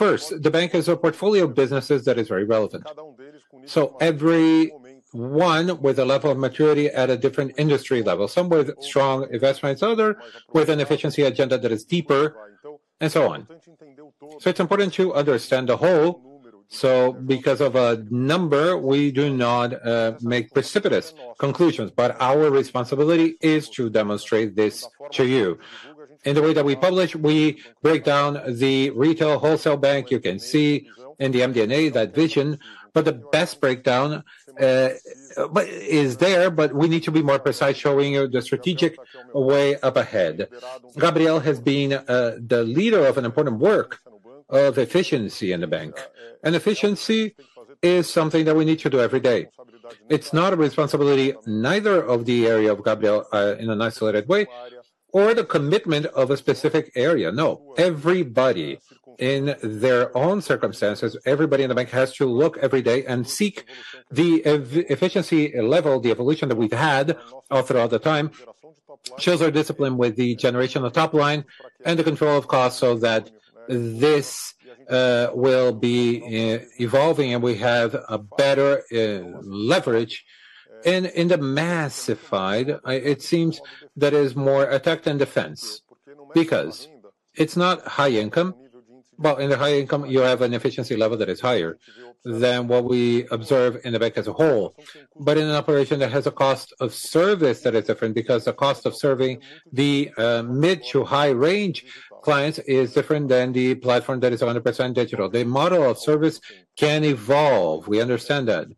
First, the bank is a portfolio of businesses that is very relevant. Every one with a level of maturity at a different industry level. Some with strong investments, others with an efficiency agenda that is deeper and so on. It is important to understand the whole. Because of a number, we do not make precipitous conclusions, but our responsibility is to demonstrate this to you in the way that we publish. We break down the retail wholesale bank. You can see in the MDA that vision. The best breakdown is there. We need to be more precise, showing the strategic way up ahead. Gabriel has been the leader of an important work of efficiency in the bank. Efficiency is something that we need to do every day. It is not a responsibility of the area of Gabriel in an isolated way or the commitment of a specific area. No, everybody in their own circumstances, everybody in the bank has to look every day and seek the efficiency level. The evolution that we have had throughout the time shows our discipline with the generation of top line and the control of costs. This will be evolving and we have better leverage. In the massified, it seems that it is more attack than defense, because it is not high income. In the high income you have an efficiency level that is higher than what we observe in the bank as a whole. In an operation that has a cost of service that is different because the cost of serving the mid to high range clients is different than the platform that is 100% digital. The model of service can evolve. We understand that.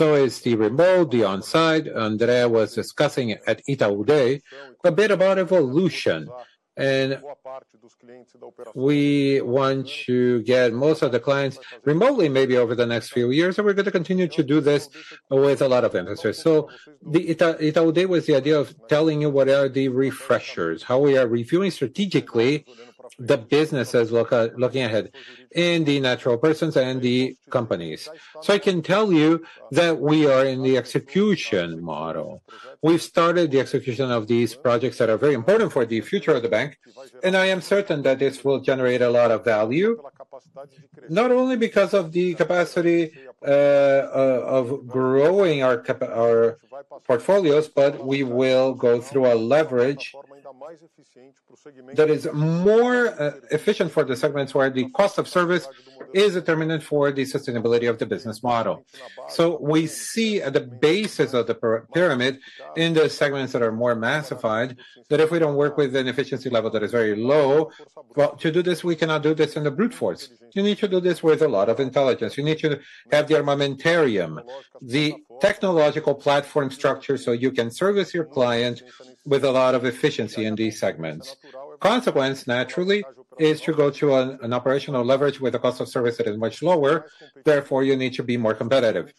Is the remote the on site. André was discussing at Itaú Day a bit about evolution. We want to get most of the clients remotely maybe over the next few years. We're going to continue to do this with a lot of investors. Itaú Day was with the idea of telling you what are the refreshers, how we are reviewing strategically the businesses looking ahead in the natural persons and the companies. I can tell you that we are in the execution model. We've started the execution of these projects that are very important for the future of the bank. I am certain that this will generate a lot of value, not only because of the capacity of growing our portfolios, but we will go through a leverage that is more efficient for the segments where the cost of service is determinant for the sustainability of the business model. We see at the basis of the pyramid in the segments that are more massified that if we do not work with an efficiency level that is very low, to do this, we cannot do this in brute force. You need to do this with a lot of intelligence. You need to have the armamentarium, the technological platform structure so you can service your client with a lot of efficiency in these segments. The consequence naturally is to go to an operational leverage where the cost of service is much lower. Therefore you need to be more competitive,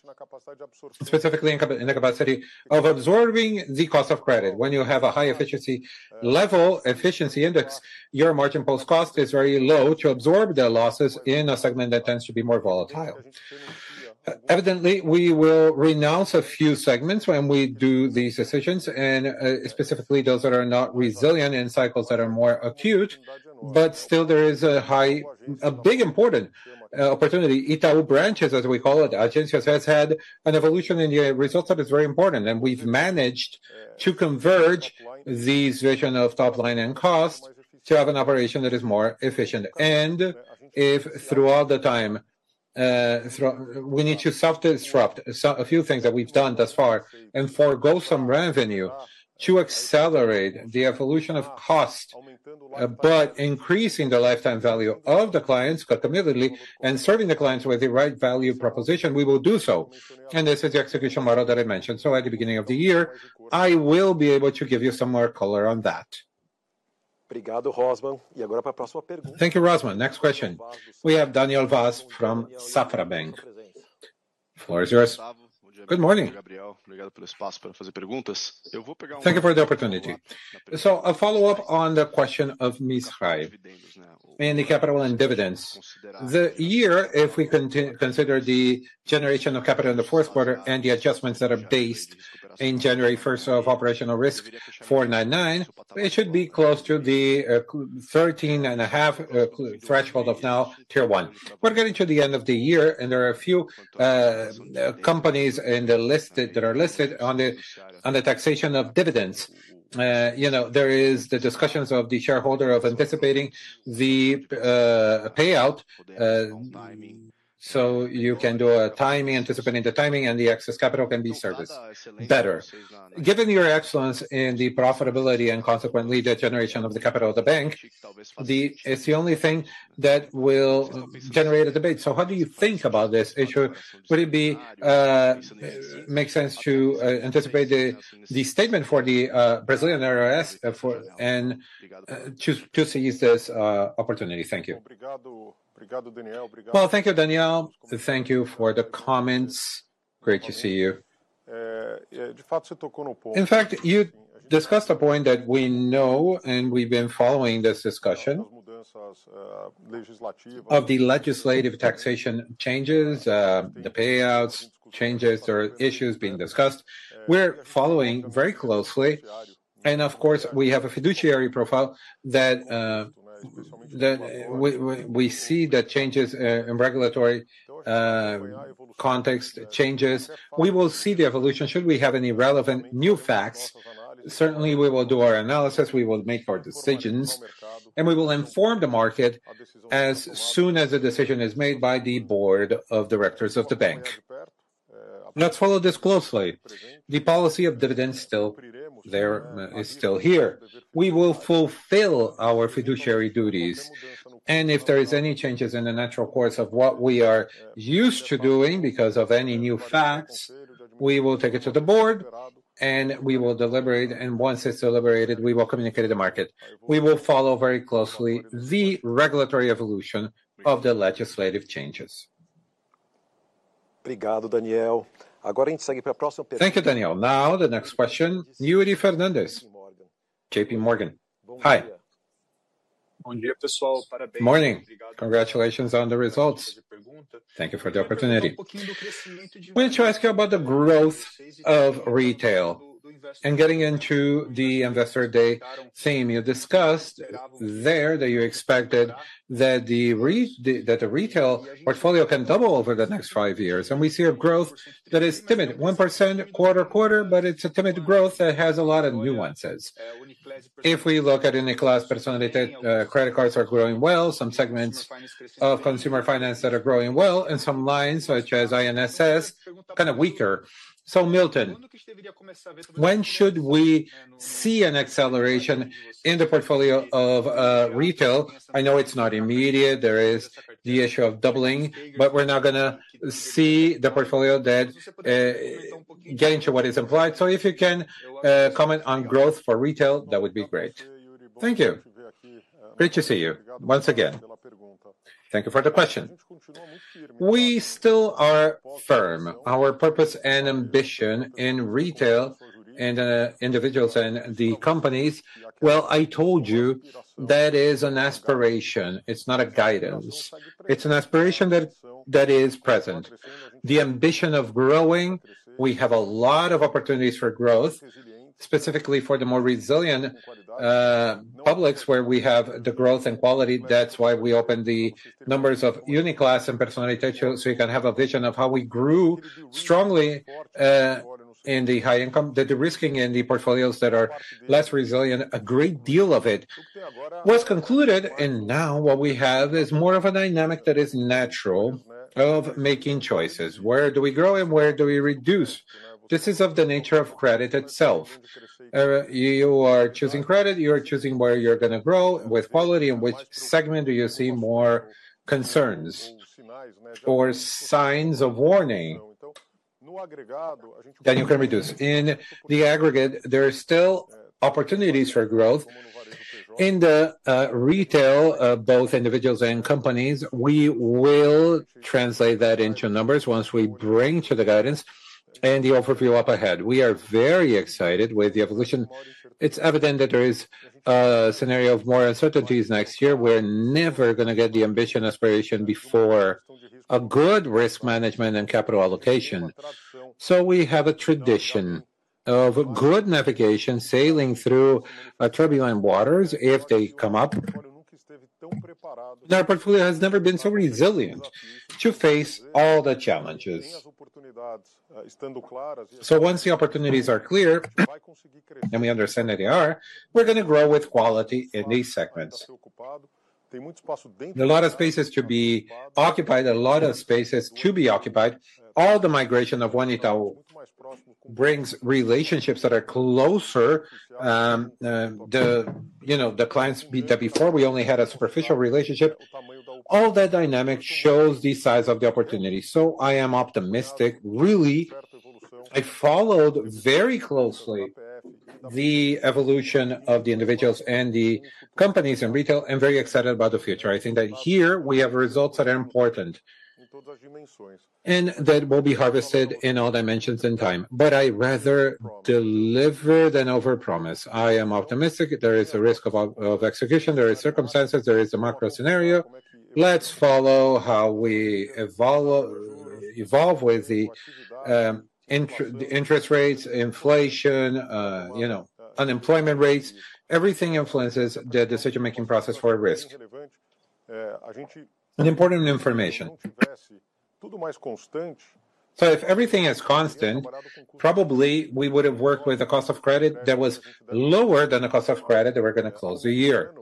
specifically in the capacity of absorbing the cost of credit. When you have a high efficiency level, efficiency index, your margin post cost is very low to absorb the losses in a segment that tends to be more volatile. Evidently we will renounce a few segments when we do these decisions. Specifically those that are not resilient in cycles that are more acute. There is a high, a big important opportunity. Itaú branches, as we call it, agência, has had an evolution in the results that is very important. We have managed to converge this vision of top line and cost to have an operation that is more efficient. If throughout the time we need to self disrupt a few things that we have done thus far and forego some revenue to accelerate the evolution of cost, but increasing the lifetime value of the clients committedly and serving the clients with the right value proposition, we will do so. This is the execution model that I mentioned. At the beginning of the year I will be able to give you some more color on that. Thank you. Rossman. Next question. We have Daniel Vaz from Safra Bank. Floor is yours. Good morning. Thank you for the opportunity. A follow up on the question of mischief and the capital and dividends the year. If we continue, consider the generation of capital in the fourth quarter and the adjustments that are based in January 1 of operational risk, it should be close to the 13.5 threshold of now tier one. We're getting to the end of the year and there are a few companies in the listed that are listed on the taxation of dividends. You know, there is the discussions of the shareholder of anticipating the payout. You can do a timing, anticipating the timing, and the excess capital can be serviced better. Given your excellence in the profitability and consequently the generation of the capital of the bank, it's the only thing that will generate a debate. How do you think about this issue? Would it make sense to anticipate the statement for the Brazilian IRS and to seize this opportunity? Thank you. Thank you, Danielle. Thank you for the comments. Great to see you. In fact, you discussed a point that we know and we've been following this discussion of the legislative taxation changes, the payouts changes or issues being discussed. We're following very closely and of course we have a fiduciary profile that we see the changes in regulatory context changes. We will see the evolution should we have any relevant new facts. Certainly we will do our analysis, we will make our decisions and we will inform the market as soon as a decision is made by the board of directors of the bank. Let's follow this closely. The policy of dividends still there is still here. We will fulfill our fiduciary duties and if there is any changes in the natural course of what we are used to doing because of any new facts, we will take it to the board and we will deliberate. Once it's deliberated, we will communicate to the market. We will follow very closely the regulatory evolution of the legislative changes. Thank you, Daniel. Now the next question. Yuri Fernandes, JP Morgan. Hi, morning. Congratulations on the results. Thank you for the opportunity. We need to ask you about the growth of retail and getting into the investor day theme. You discussed there that you expected that the retail portfolio can double over the next five years. We see a growth that is timid, 1% quarter-quarter. It is a timid growth that has a lot of nuances. If we look at in the class personally that credit cards are growing well, some segments of consumer finance that are growing well and some lines such as insurance kind of weaker. Milton, when should we see an acceleration in the portfolio of retail? I know it's not immediate. There is the issue of doubling. We're not going to see the portfolio that get into what is implied. If you can comment on growth for retail, that would be great. Thank you. Great to see you once again. Thank you for the question. We still are firm. Our purpose and ambition in retail and individuals and the companies. I told you that is an aspiration. It's not a guidance. It's an aspiration that is present the ambition of growing. We have a lot of opportunities for growth specifically for the more resilient publics where we have the growth and quality. That is why we open the numbers of UniClass and Personalité, so you can have a vision of how we grew strongly in the high income, the de-risking in the portfolios that are less resilient. A great deal of it was concluded and now what we have is more of a dynamic that is natural of making choices. Where do we grow and where do we reduce? This is of the nature of credit itself. You are choosing credit, you are choosing where you are going to grow with quality and which segment. Do you see more concerns or signs of warning that you can reduce in the aggregate? There are still opportunities for growth in the retail, both individuals and companies. We will translate that into numbers once we bring to the guidance and the overview up ahead. We are very excited with the evolution. It's evident that there is a scenario of more uncertainties next year. We're never going to get the ambition aspiration before a good risk management and capital allocation. We have a tradition of good navigation sailing through turbulent waters if they come up. Our portfolio has never been so resilient to face all the challenges. Once the opportunities are clear and we understand that they are, we're going to grow with quality in these segments. A lot of spaces to be occupied. All the migration of Juanitao brings relationships that are closer, you know, the clients that before we only had a superficial relationship. All that dynamic shows the size of the opportunity. I am optimistic, really. I followed very closely the evolution of the individuals and the companies in retail and very excited about the future. I think that here we have results that are important and that will be harvested in all dimensions in time. I rather deliver than over promise. I am optimistic. There is a risk of execution, there is circumstances, there is a macro scenario. Let's follow how we evolve. Evolve with the interest rates, inflation, you know, unemployment rates. Everything influences the decision making process for risk. An important information. If everything is constant, probably we would have worked with a cost of credit that was lower than the cost of credit that we're going to close the year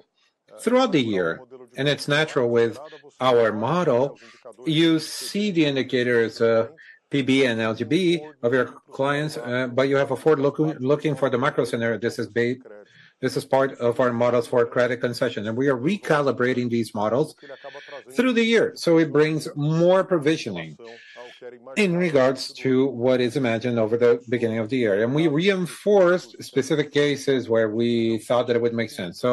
throughout the year. It is natural with our model you see the indicators PB and LGB of your clients. You have forward looking for the macro scenario. This is B. This is part of our models for credit concession. We are recalibrating these models through the year. It brings more provisioning in regards to what is imagined over the beginning of the year. We reinforced specific cases where we thought that it would make sense.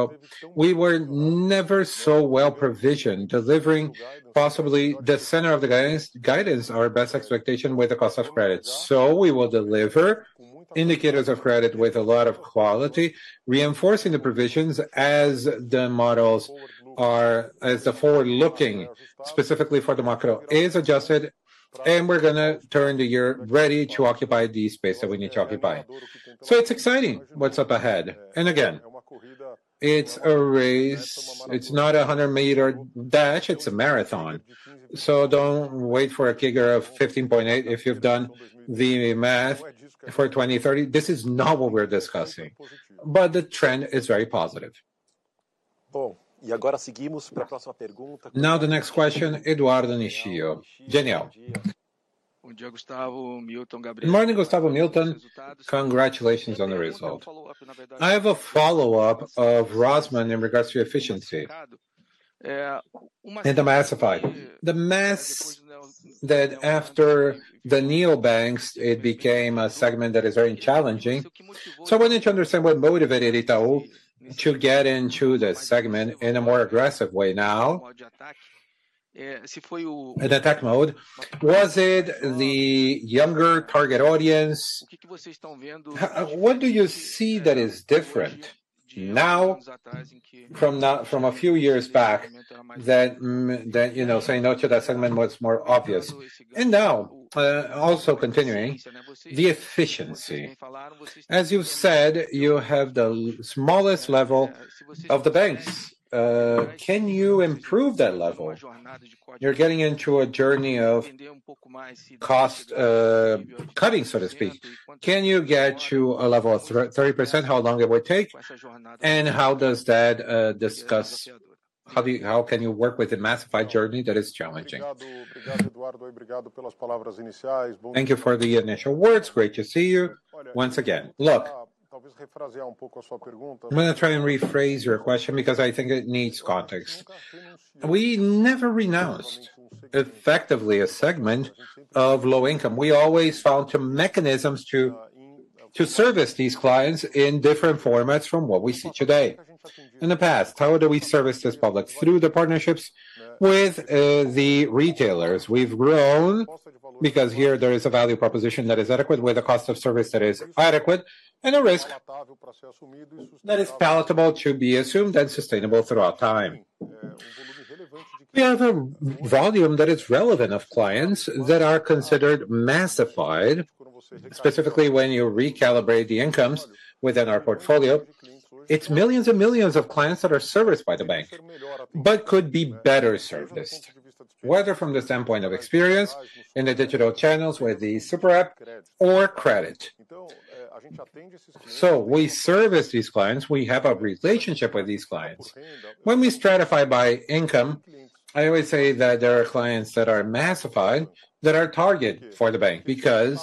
We were never so well provisioned. Delivering possibly the center of the guidance, our best expectation with the cost of credit. We will deliver indicators of credit with a lot of quality, reinforcing the provisions as the models are, as the forward looking specifically for the macro is adjusted. We are going to turn the year ready to occupy the space that we need to occupy. It is exciting. What is up ahead. Again, it is a race. It is not a 100 meter dash, it is a marathon. Do not wait for a kicker of 15.8. If you've done the math for 2030, this is not what we're discussing, but the trend is very positive. Now the next question. Eduardo Niccio, Daniel, ood morning. Gustavo, Milton, congratulations on the result. I have a follow-up of Rossman in regards to efficiency in the mass effect. The mass that after the neobanks, it became a segment that is very challenging. I wanted to understand what motivated Itaú to get into the segment in a more aggressive way. Now in attack mode, was it the younger target audience? What do you see that is different now from a few years back that, you know, saying no to that segment was more obvious? Now, also continuing the efficiency, as you said, you have the smallest level of the banks. Can you improve that level? You're getting into a journey of cost cutting, so to speak. Can you get to a level of 30%? How long it would take and how does that discuss. How do you. How can you work with a massified journey that is challenging. Thank you for the initial words. Great to see you once again. Look, I'm going to try and rephrase your question because I think it needs context. We never renounced effectively a segment of low income. We always found two mechanisms to service these clients in different formats from what we see today. In the past, how do we service this public? Through the partnerships with the retailers we've grown because here there is a value proposition that is adequate with a cost of service that is adequate and a risk that is palatable to be assumed and sustainable throughout time. We have a volume that is relevant of clients that are considered massified. Specifically when you recalibrate the incomes within our portfolio, it's millions and millions of clients that are serviced by the bank but could be better serviced whether from the standpoint of experience in the digital channels with the super app or credit. So we service these clients, we have a relationship with these clients when we stratify by income. I always say that there are clients that are massified that are targeted for the bank because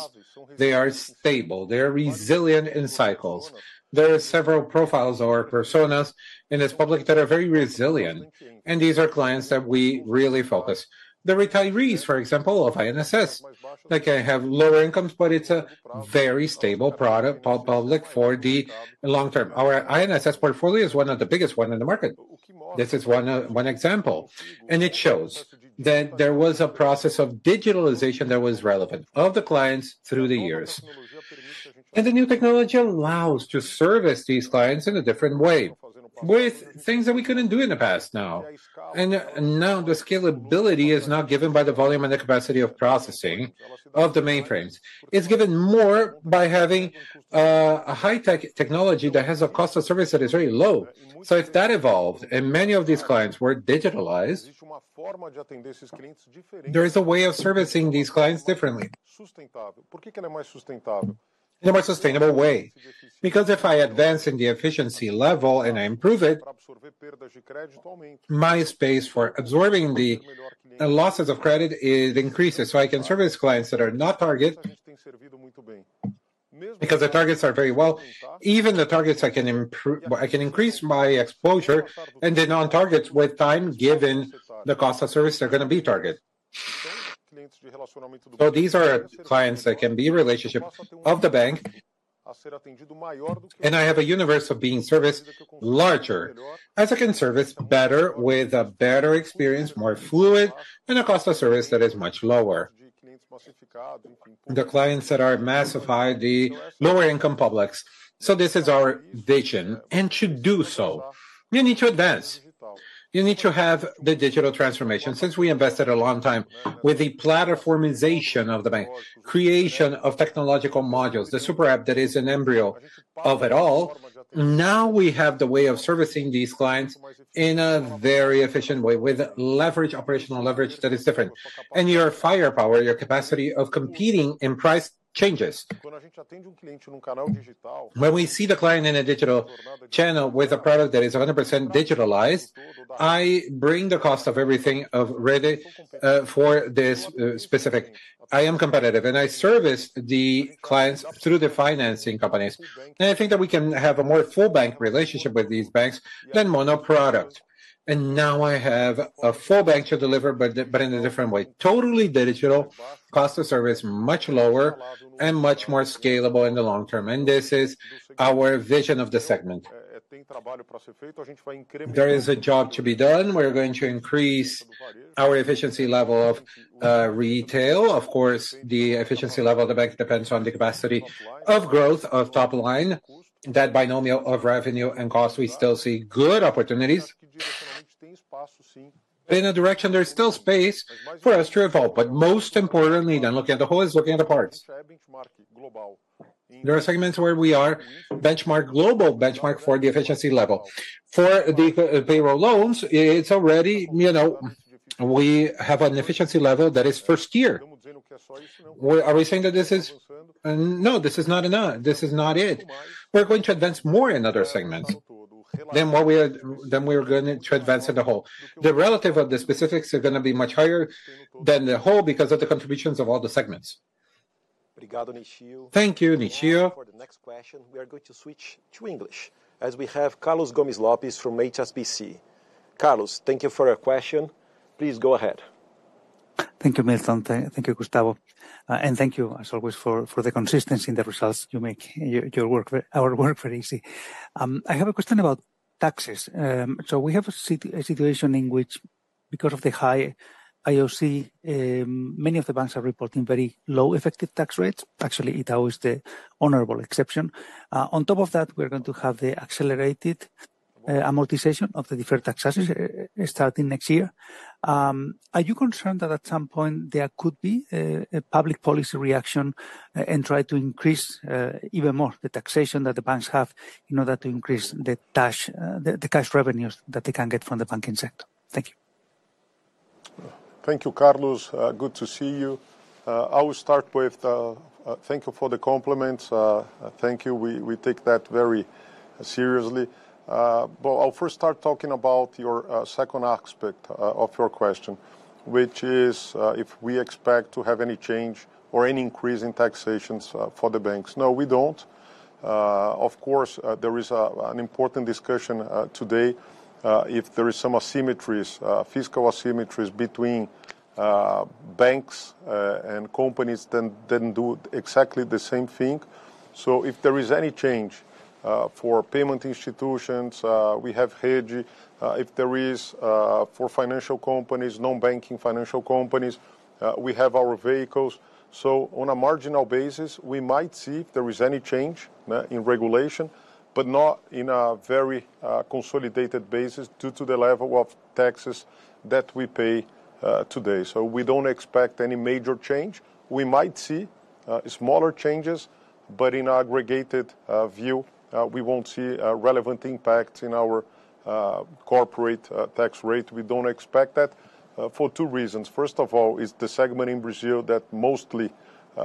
they are stable, they are resilient in cycles. There are several profiles or personas in this public that are very resilient and these are clients that we really focus. The retirees, for example, of INSS, they can have lower incomes but it's a very stable product public for the long term. Our INSS portfolio is one of the biggest in the market. This is one example. It shows that there was a process of digitalization that was relevant for the clients through the years. The new technology allows us to service these clients in a different way with things that we could not do in the past. Now the scalability is not given by the volume and the capacity of processing of the mainframes. It is given more by having a high-tech technology that has a cost of service that is very low. If that evolved and many of these clients were digitalized, there is a way of servicing these clients differently in a more sustainable way. If I advance in the efficiency level and I improve it, my space for absorbing the losses of credit increases. I can service clients that are not target. Because the targets are very well, even the targets I can increase my exposure. Then on targets with time, given the cost of service, they are going to be target. These are clients that can be relationship of the bank. I have a universe of being serviced larger as I can service better, with a better experience, more fluid and a cost of service that is much lower. The clients that are massive high, the lower income publics. This is our vision. To do so you need to advance, you need to have the digital transformation. Since we invested a long time with the platformization of the bank, creation of technological modules, the super app that is an embryo of it all. Now we have the way of servicing these clients in a very efficient way with leverage, operational leverage that is different. Your firepower, your capacity of competing in price changes. When we see the client in a digital channel with a product that is 100% digitalized, I bring the cost of everything ready for this specific. I am competitive and I service the clients through the financing companies. I think that we can have a more full bank relationship with these banks than mono product. Now I have a full bank to deliver, but in a different way, totally digital, cost of service much lower and much more scalable in the long term. This is our vision of the segment. There is a job to be done. We're going to increase our efficiency level of retail. Of course, the efficiency level of the bank depends on the capacity of growth of top line, that binomial of revenue and cost. We still see good opportunities in a direction. There is still space for us to evolve. Most importantly, looking at the whole is looking at the parts. There are segments where we are benchmark, global benchmark for the efficiency level. For the payroll loans, it is already, you know, we have an efficiency level that is first tier. Are we saying that this is—no, this is not enough. This is not it. We are going to advance more in other segments, then we are going to advance in the whole. The relative of the specifics are going to be much higher than the whole because of the contributions of all the segments. Thank you. For the next question we are going to switch to English as we have. Carlos Gomez-Lopez from HSBC. Carlos, thank you for your question. Please go ahead. Thank you, Milton. Thank you, Gustavo. Thank you as always for the consistency in the results. You make our work very easy. I have a question about taxes. We have a situation in which because of the high IOC, many of the banks are reporting very low effective tax rates. Actually, Itaú is the honorable exception. On top of that, we are going to have the accelerated amortization of the deferred tax assessment starting next year. Are you concerned that at some point there could be a public policy reaction and try to increase, increase even more the taxation that the banks have in order to increase the cash revenues that they can get from the banking sector? Thank you. Thank you, Carlos. Good to see you. I will start with thank you for the compliments. Thank you. We take that very seriously. I will first start talking about your second aspect of your question, which is if we expect to have any change or any increase in taxations for the banks. No, we do not. Of course there is an important discussion today. If there are some asymmetries, fiscal asymmetries between banks and companies, then did not do exactly the same thing. If there is any change for payment institutions, we have Hedgehog. If there is for financial companies, non-banking financial companies, we have our vehicles. On a marginal basis we might see if there is any change in regulation, but not in a very consolidated basis due to the level of taxes that we pay today. We do not expect any major change. We might see smaller changes, but in aggregated view we will not see relevant impacts in our corporate tax rate. We do not expect that for two reasons. First of all is the segment in Brazil that mostly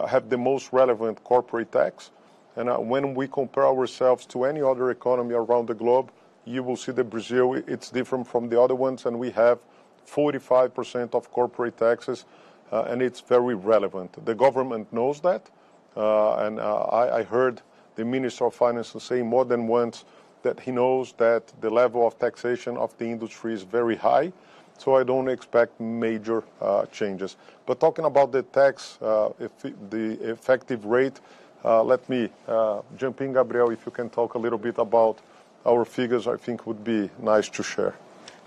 has the most relevant corporate tax. When we compare ourselves to any other economy around the globe, you will see that Brazil is different from the other ones. We have 45% of corporate taxes, and it is very relevant. The government knows that. I heard the Minister of Finance say more than once that he knows that the level of taxation of the industry is very high. I do not expect major changes. Talking about the tax, the effective rate. Let me jump in, Gabriel, if you can talk a little bit about our figures, I think it would be nice to share.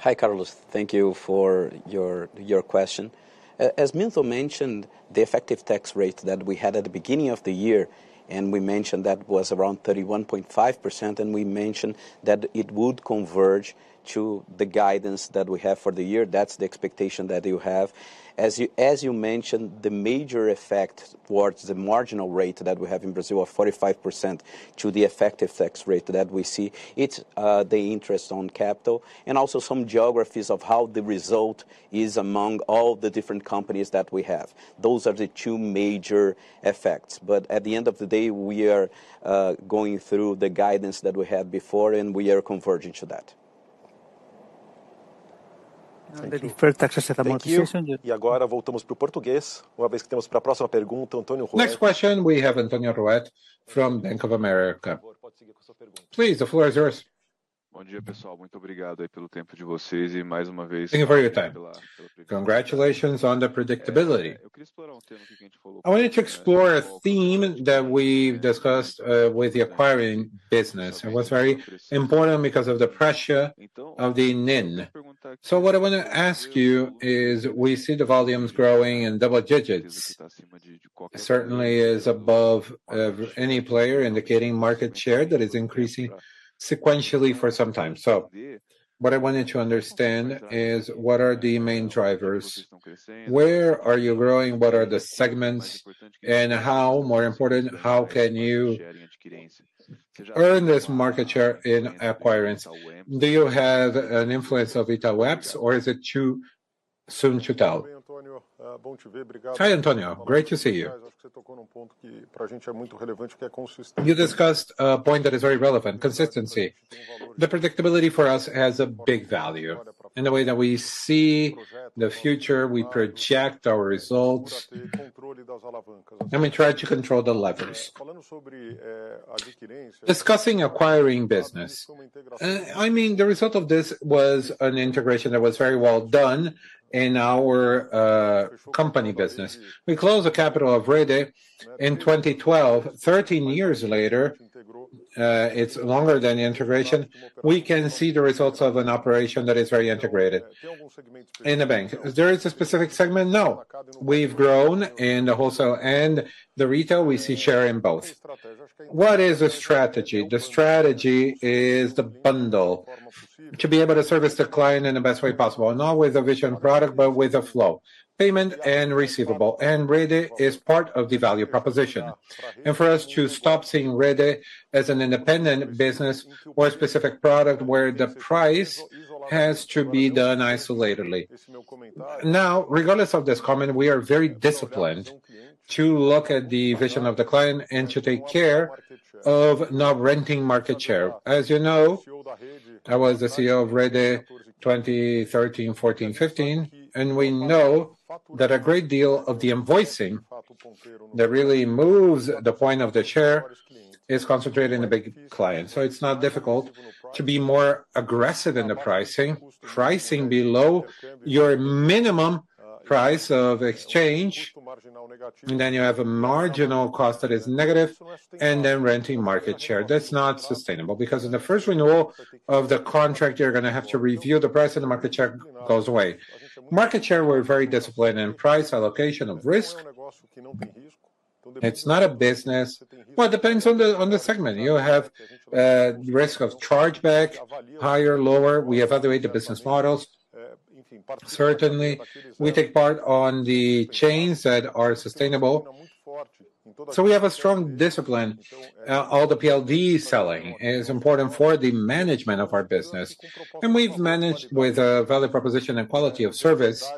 Hi Carlos, thank you for your question. As Milton mentioned, the effective tax rate that we had at the beginning of the year and we mentioned that was around 31.5% and we mentioned that it would converge to the guidance that we have for the year. That is the expectation that you have. As you mentioned, the major effect towards the marginal rate that we have in Brazil of 45% to the effective tax rate that we see, it is the interest on capital and also some geographies of how the result is among all the different companies that we have. Those are the two major effects. At the end of the day, we are going through the guidance that we had before and we are converging to that. Next question, we have Antonio Ruette from Bank of America, please, the floor is yours. Thank you for your time. Congratulations on the predictability. I wanted to explore a theme that we've discussed with the acquiring business. It was very important because of the pressure of the NIM. What I want to ask you is we see the volumes growing in double digits, certainly is above any player, indicating market share that is increasing sequentially for some time. What I wanted to understand is what are the main drivers? Where are you growing? What are the segments and, more important, how can you earn this market share in acquirence? Do you have an influence of EBITDA webps or is it too soon to tell? Hi Antonio, great to see you. You discussed a point that is very relevant. Consistency. The predictability for us has a big value in the way that we see the future. We project our results and we try to control the levers discussing acquiring business. I mean, the result of this was an integration that was very well done in our company business. We closed the capital of REDE in 2012. Thirteen years later, it's longer than the integration. We can see the results of an operation that is very integrated in the bank. There is a specific segment. No, we've grown in the wholesale and the retail. We see share in both. What is the strategy? The strategy is the bundle to be able to service the client in the best way possible. Not with a vision product, but with a flow payment and receivable. And REDE is part of the value proposition. For us to stop seeing REDE as an independent business or a specific product where the price has to be done isolatedly. Now, regardless of this comment, we are very disciplined to look at the vision of the client and to take care of not renting market share. As you know, I was the CEO of REDE 2013, 2014, 2015 and we know that a great deal of the invoicing that really moves the point of the share is concentrated in the big client. So it's not difficult to be more aggressive in the pricing. Pricing below your minimum price of exchange and then you have a marginal cost that is negative. And then renting market share that's not sustainable because in the first renewal of the contract, you're going to have to review the price and the market share goes away. Market share. We're very disciplined in price allocation of risk. It's not a business, well, it depends on the segment. You have risk of chargeback higher, lower. We evaluate the business models. Certainly we take part on the chains that are sustainable. We have a strong discipline. All the PLD selling is important for the management of our business and we've managed with a value proposition and quality of service,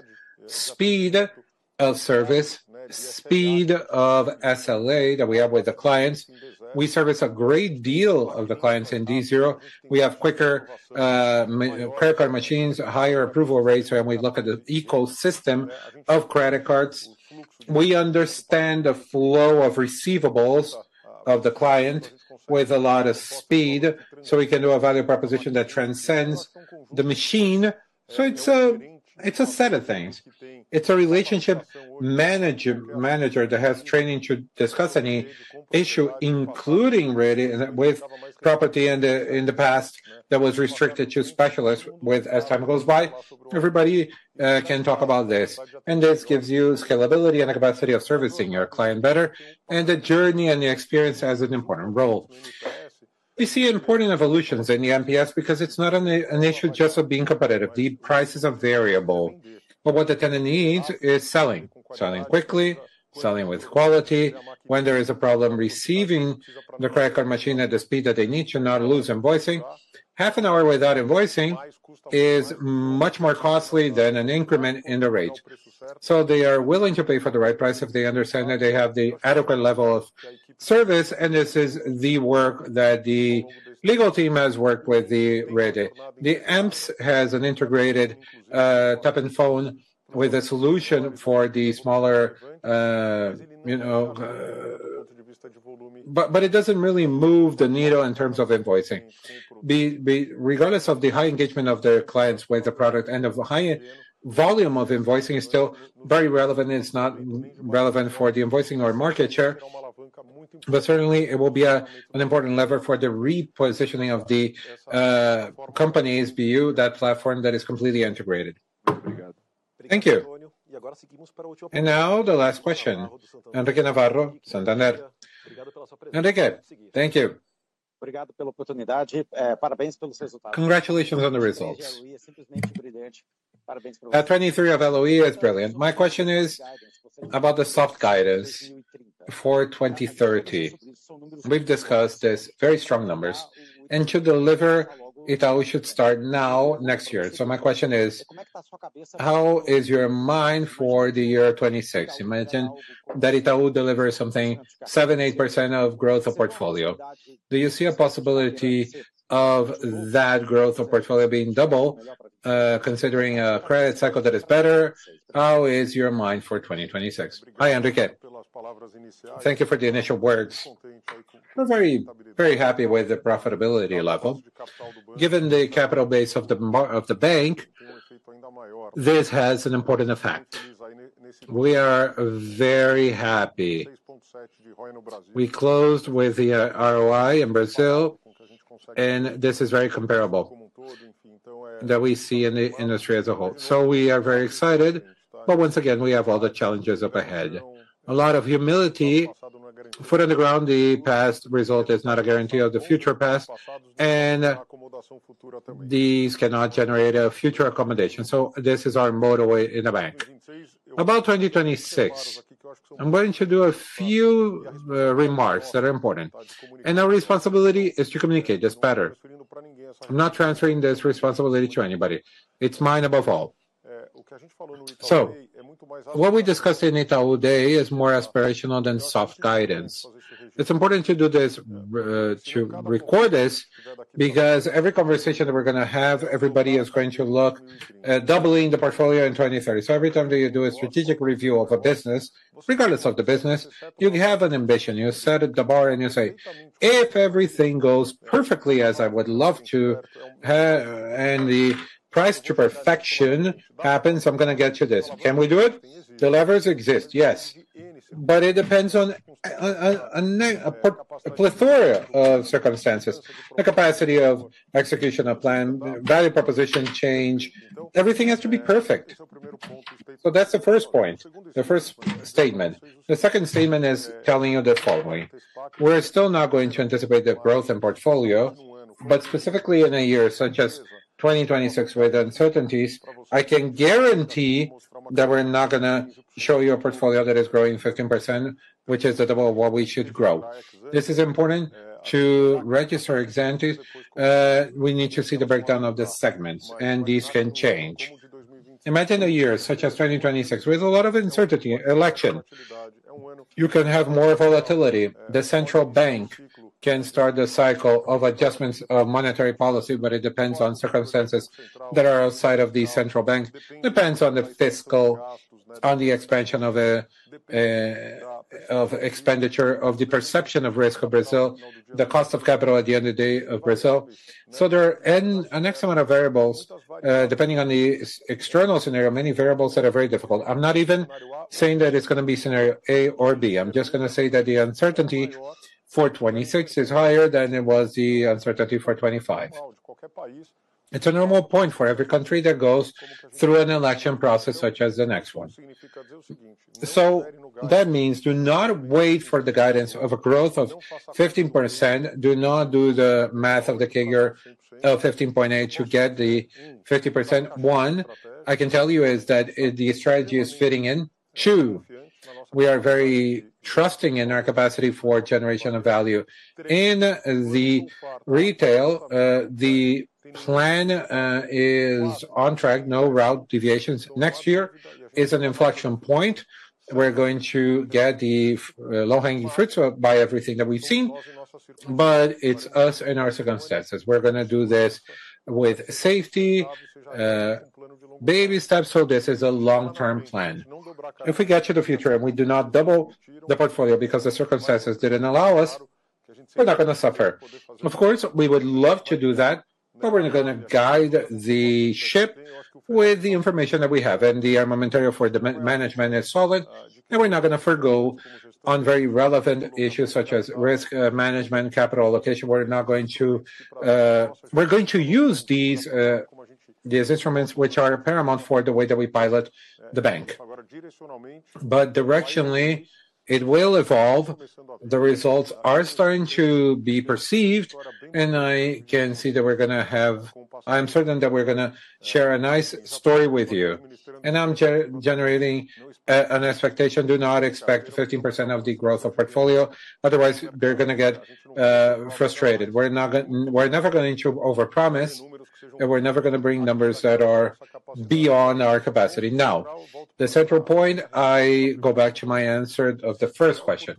speed of service, speed of SLA that we have with the clients. We service a great deal of the clients in Dzero. We have quicker credit card machines, higher approval rates and we look at the ecosystem of credit cards. We understand the flow of receivables of the client with a lot of speed. We can do a value proposition that transcends the machine. It is a set of things. It is a relationship manager that has training to discuss any issue, including really with property in the past that was restricted to specialists with. As time goes by, everybody can talk about this and this gives you scalability and the capacity of servicing your client better. The journey and the experience has an important role. We see important evolutions in the MPS because it's not an issue just of being competitive. The prices are variable, but what the tenant needs is selling, selling quickly, selling with quality. When there is a problem receiving the credit card machine at the speed that they need to not lose invoicing. Half an hour without invoicing is much more costly than an increment in the rate. They are willing to pay for the right price if they understand that they have the adequate level of service. This is the work that the legal team has worked with the REDE. The amps has an integrated with a solution for the smaller, you know, but it does not really move the needle in terms of invoicing. Regardless of the high engagement of their clients with the product and of the high volume of invoicing, it is still very relevant. It is not relevant for the invoicing or market share. Certainly it will be an important lever for the repositioning of the companies. Bu that platform that is completely integrated. Thank you. Now the last question. Thank you. Congratulations on the results. 23 of LOE is brilliant. My question is about the soft guidance for 2030. We have discussed these very strong numbers and to deliver Itaú should start now, next year. My question is, how is your mind for the year 2026? Imagine that Itaú delivers something 7%-8% of growth of portfolio. Do you see a possibility of that growth of portfolio being double? Considering a credit cycle that is better. How is your mind for 2026? Hi, Andreke. Thank you for the initial words. We're very, very happy with the profitability level. Given the capital base of the bank. This has an important effect. We are very happy. We closed with the ROI in Brazil and this is very comparable that we see in the industry as a whole. We are very excited. Once again we have all the challenges up ahead. A lot of humility, foot on the ground. The past result is not a guarantee of the future past. These cannot generate a future accommodation. This is our motorway in the bank about 2026. I'm going to do a few remarks that are important and our responsibility is to communicate just better. I'm not transferring this responsibility to anybody. It's mine above all. What we discussed in Itaú today is more aspirational than soft guidance. It's important to do this, to record this, because every conversation that we're going to have, everybody is going to look at doubling the portfolio in 2030. Every time that you do a strategic review of a business, regardless of the business, you have an ambition, you set the bar and you say, if everything goes perfectly, as I would love to, and the price to perfection happens, I'm going to get to this. Can we do it? The levers exist, yes, but it depends on a plethora of circumstances. The capacity of execution of plan, value proposition change. Everything has to be perfect. That's the first point, the first statement. The second statement is telling you the following. We're still not going to anticipate the growth in portfolio, but specifically in a year such as 2026 with uncertainties, I can guarantee that we're not going to show you a portfolio that is growing 15%, which is double what we should grow. This is important to register ex ante. We need to see the breakdown of the segments and these can change. Imagine a year such as 2026 with a lot of uncertainty, election, you can have more volatility. The central bank can start the cycle of adjustments of monetary policy, but it depends on circumstances that are outside of the central bank. Depends on the fiscal, on the expansion of expenditure, on the perception of risk of Brazil, the cost of capital at the end of the day of Brazil. There are an X amount of variables depending on the external scenario. Many variables that are very difficult. I'm not even saying that it's going to be scenario A or B. I'm just going to say that the uncertainty for 2026 is higher than it was the uncertainty for 2025. It's a normal point for every country that goes through an election process such as the next one. That means do not wait for the guidance of a growth of 15%. Do not do the math of the CAGR 15.8% to get the 50%. One I can tell you is that the strategy is fitting in too. We are very trusting in our capacity for generation of value in the retail. The plan is on track, no route deviations. Next year is an inflection point. We're going to get the low hanging fruits by everything that we've seen. It is us in our circumstances. We are going to do this with safety, baby steps. This is a long-term plan. If we get to the future and we do not double the portfolio because the circumstances did not allow us, we are not going to suffer. Of course, we would love to do that, but we are not going to guide the ship with the information that we have. The armamentario for the management is solid, and we are not going to forego very relevant issues such as risk management and capital allocation. We are going to use these instruments, which are paramount for the way that we pilot the bank. Directionally, it will evolve. The results are starting to be perceived, and I can see that we are going to have. I'm certain that we're going to share a nice story with you and I'm generating an expectation. Do not expect 15% of the growth of portfolio otherwise they're going to get frustrated. We're never going to over promise and we're never going to bring numbers that are beyond our capacity. Now the central point I go back to my answer of the first question.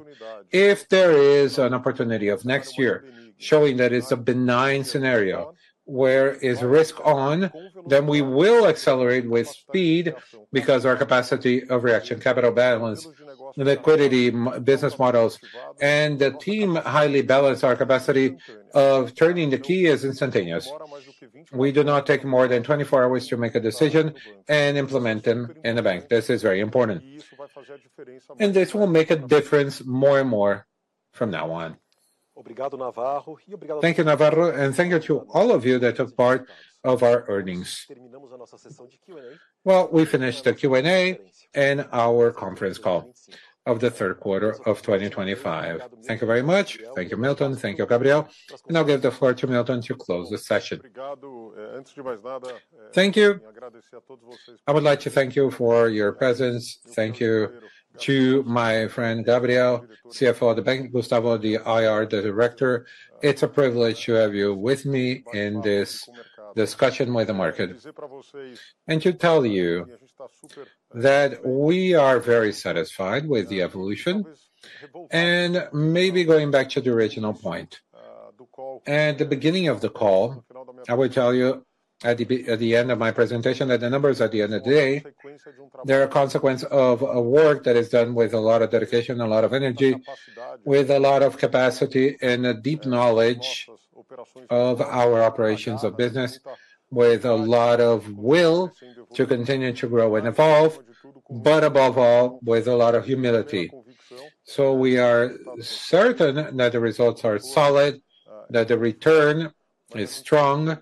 If there is an opportunity of next year showing that it's a benign scenario, where is risk on then we will accelerate with speed because our capacity of reaction, capital balance, liquidity, business models, and the team, highly balanced. Our capacity of turning the key is instantaneous. We do not take more than 24 hours to make a decision and implement them in the bank. This is very important and this will make a difference more and more from now on. Thank you, Navarro. Thank you to all of you that took part of our earnings. We finished the Q and A and our conference call of the third quarter of 2025. Thank you very much. Thank you, Milton. Thank you, Gabriel. I will give the floor to Milton to close the session. Thank you. I would like to thank you for your presence. Thank you to my friend Gabriel, CFO of the bank, Gustavo, the IR director. It's a privilege to have you with me in this discussion with the market and to tell you that we are very satisfied with the evolution and maybe going back to the original point at the beginning of the call, I will tell you at the end of my presentation that the numbers, at the end of the day, they're a consequence of a work that is done with a lot of dedication, a lot of energy, with a lot of capacity and a deep knowledge of our operations of business, with a lot of will to continue to grow and evolve, but above all with a lot of humility. We are certain that the results are solid, that the return is strong,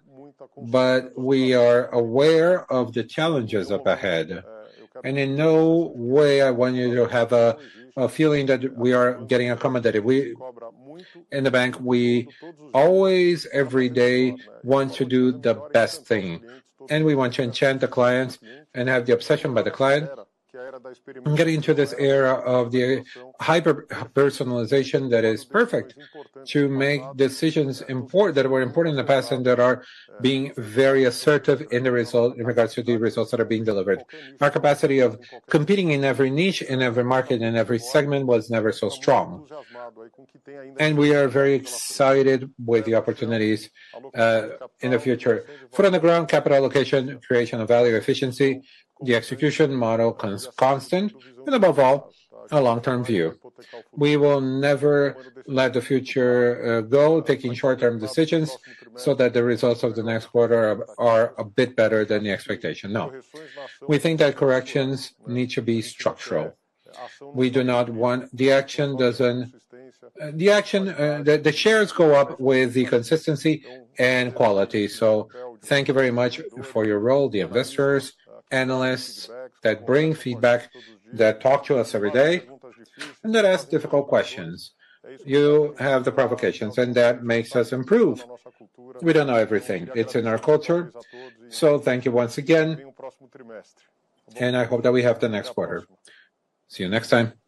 but we are aware of the challenges up ahead. In no way I want you to have a feeling that we are getting accommodated. We in the bank, we always, every day want to do the best thing and we want to enchant the clients and have the obsession by the client getting into this era of the hyper personalization that is perfect to make decisions that were important in the past and that are being very assertive in the result in regards to the results that are being delivered. Our capacity of competing in every niche, in every market, in every segment was never so strong. We are very excited with the opportunities in the future. Foot on the ground. Capital allocation, creation of value, efficiency, the execution model, constant and above all, a long term view. We will never let the future go. Taking short term decisions so that the results of the next quarter are a bit better than the expectation. No, we think that corrections need to be structural. We do not want the action. Doesn't the action, the shares go up with the consistency and quality. Thank you very much for your role. The investors, analysts that bring feedback, that talk to us every day and that ask difficult questions, you have the provocations and that makes us improve. We don't know everything, it's in our culture. Thank you once again, and I hope that we have the next quarter. See you next time.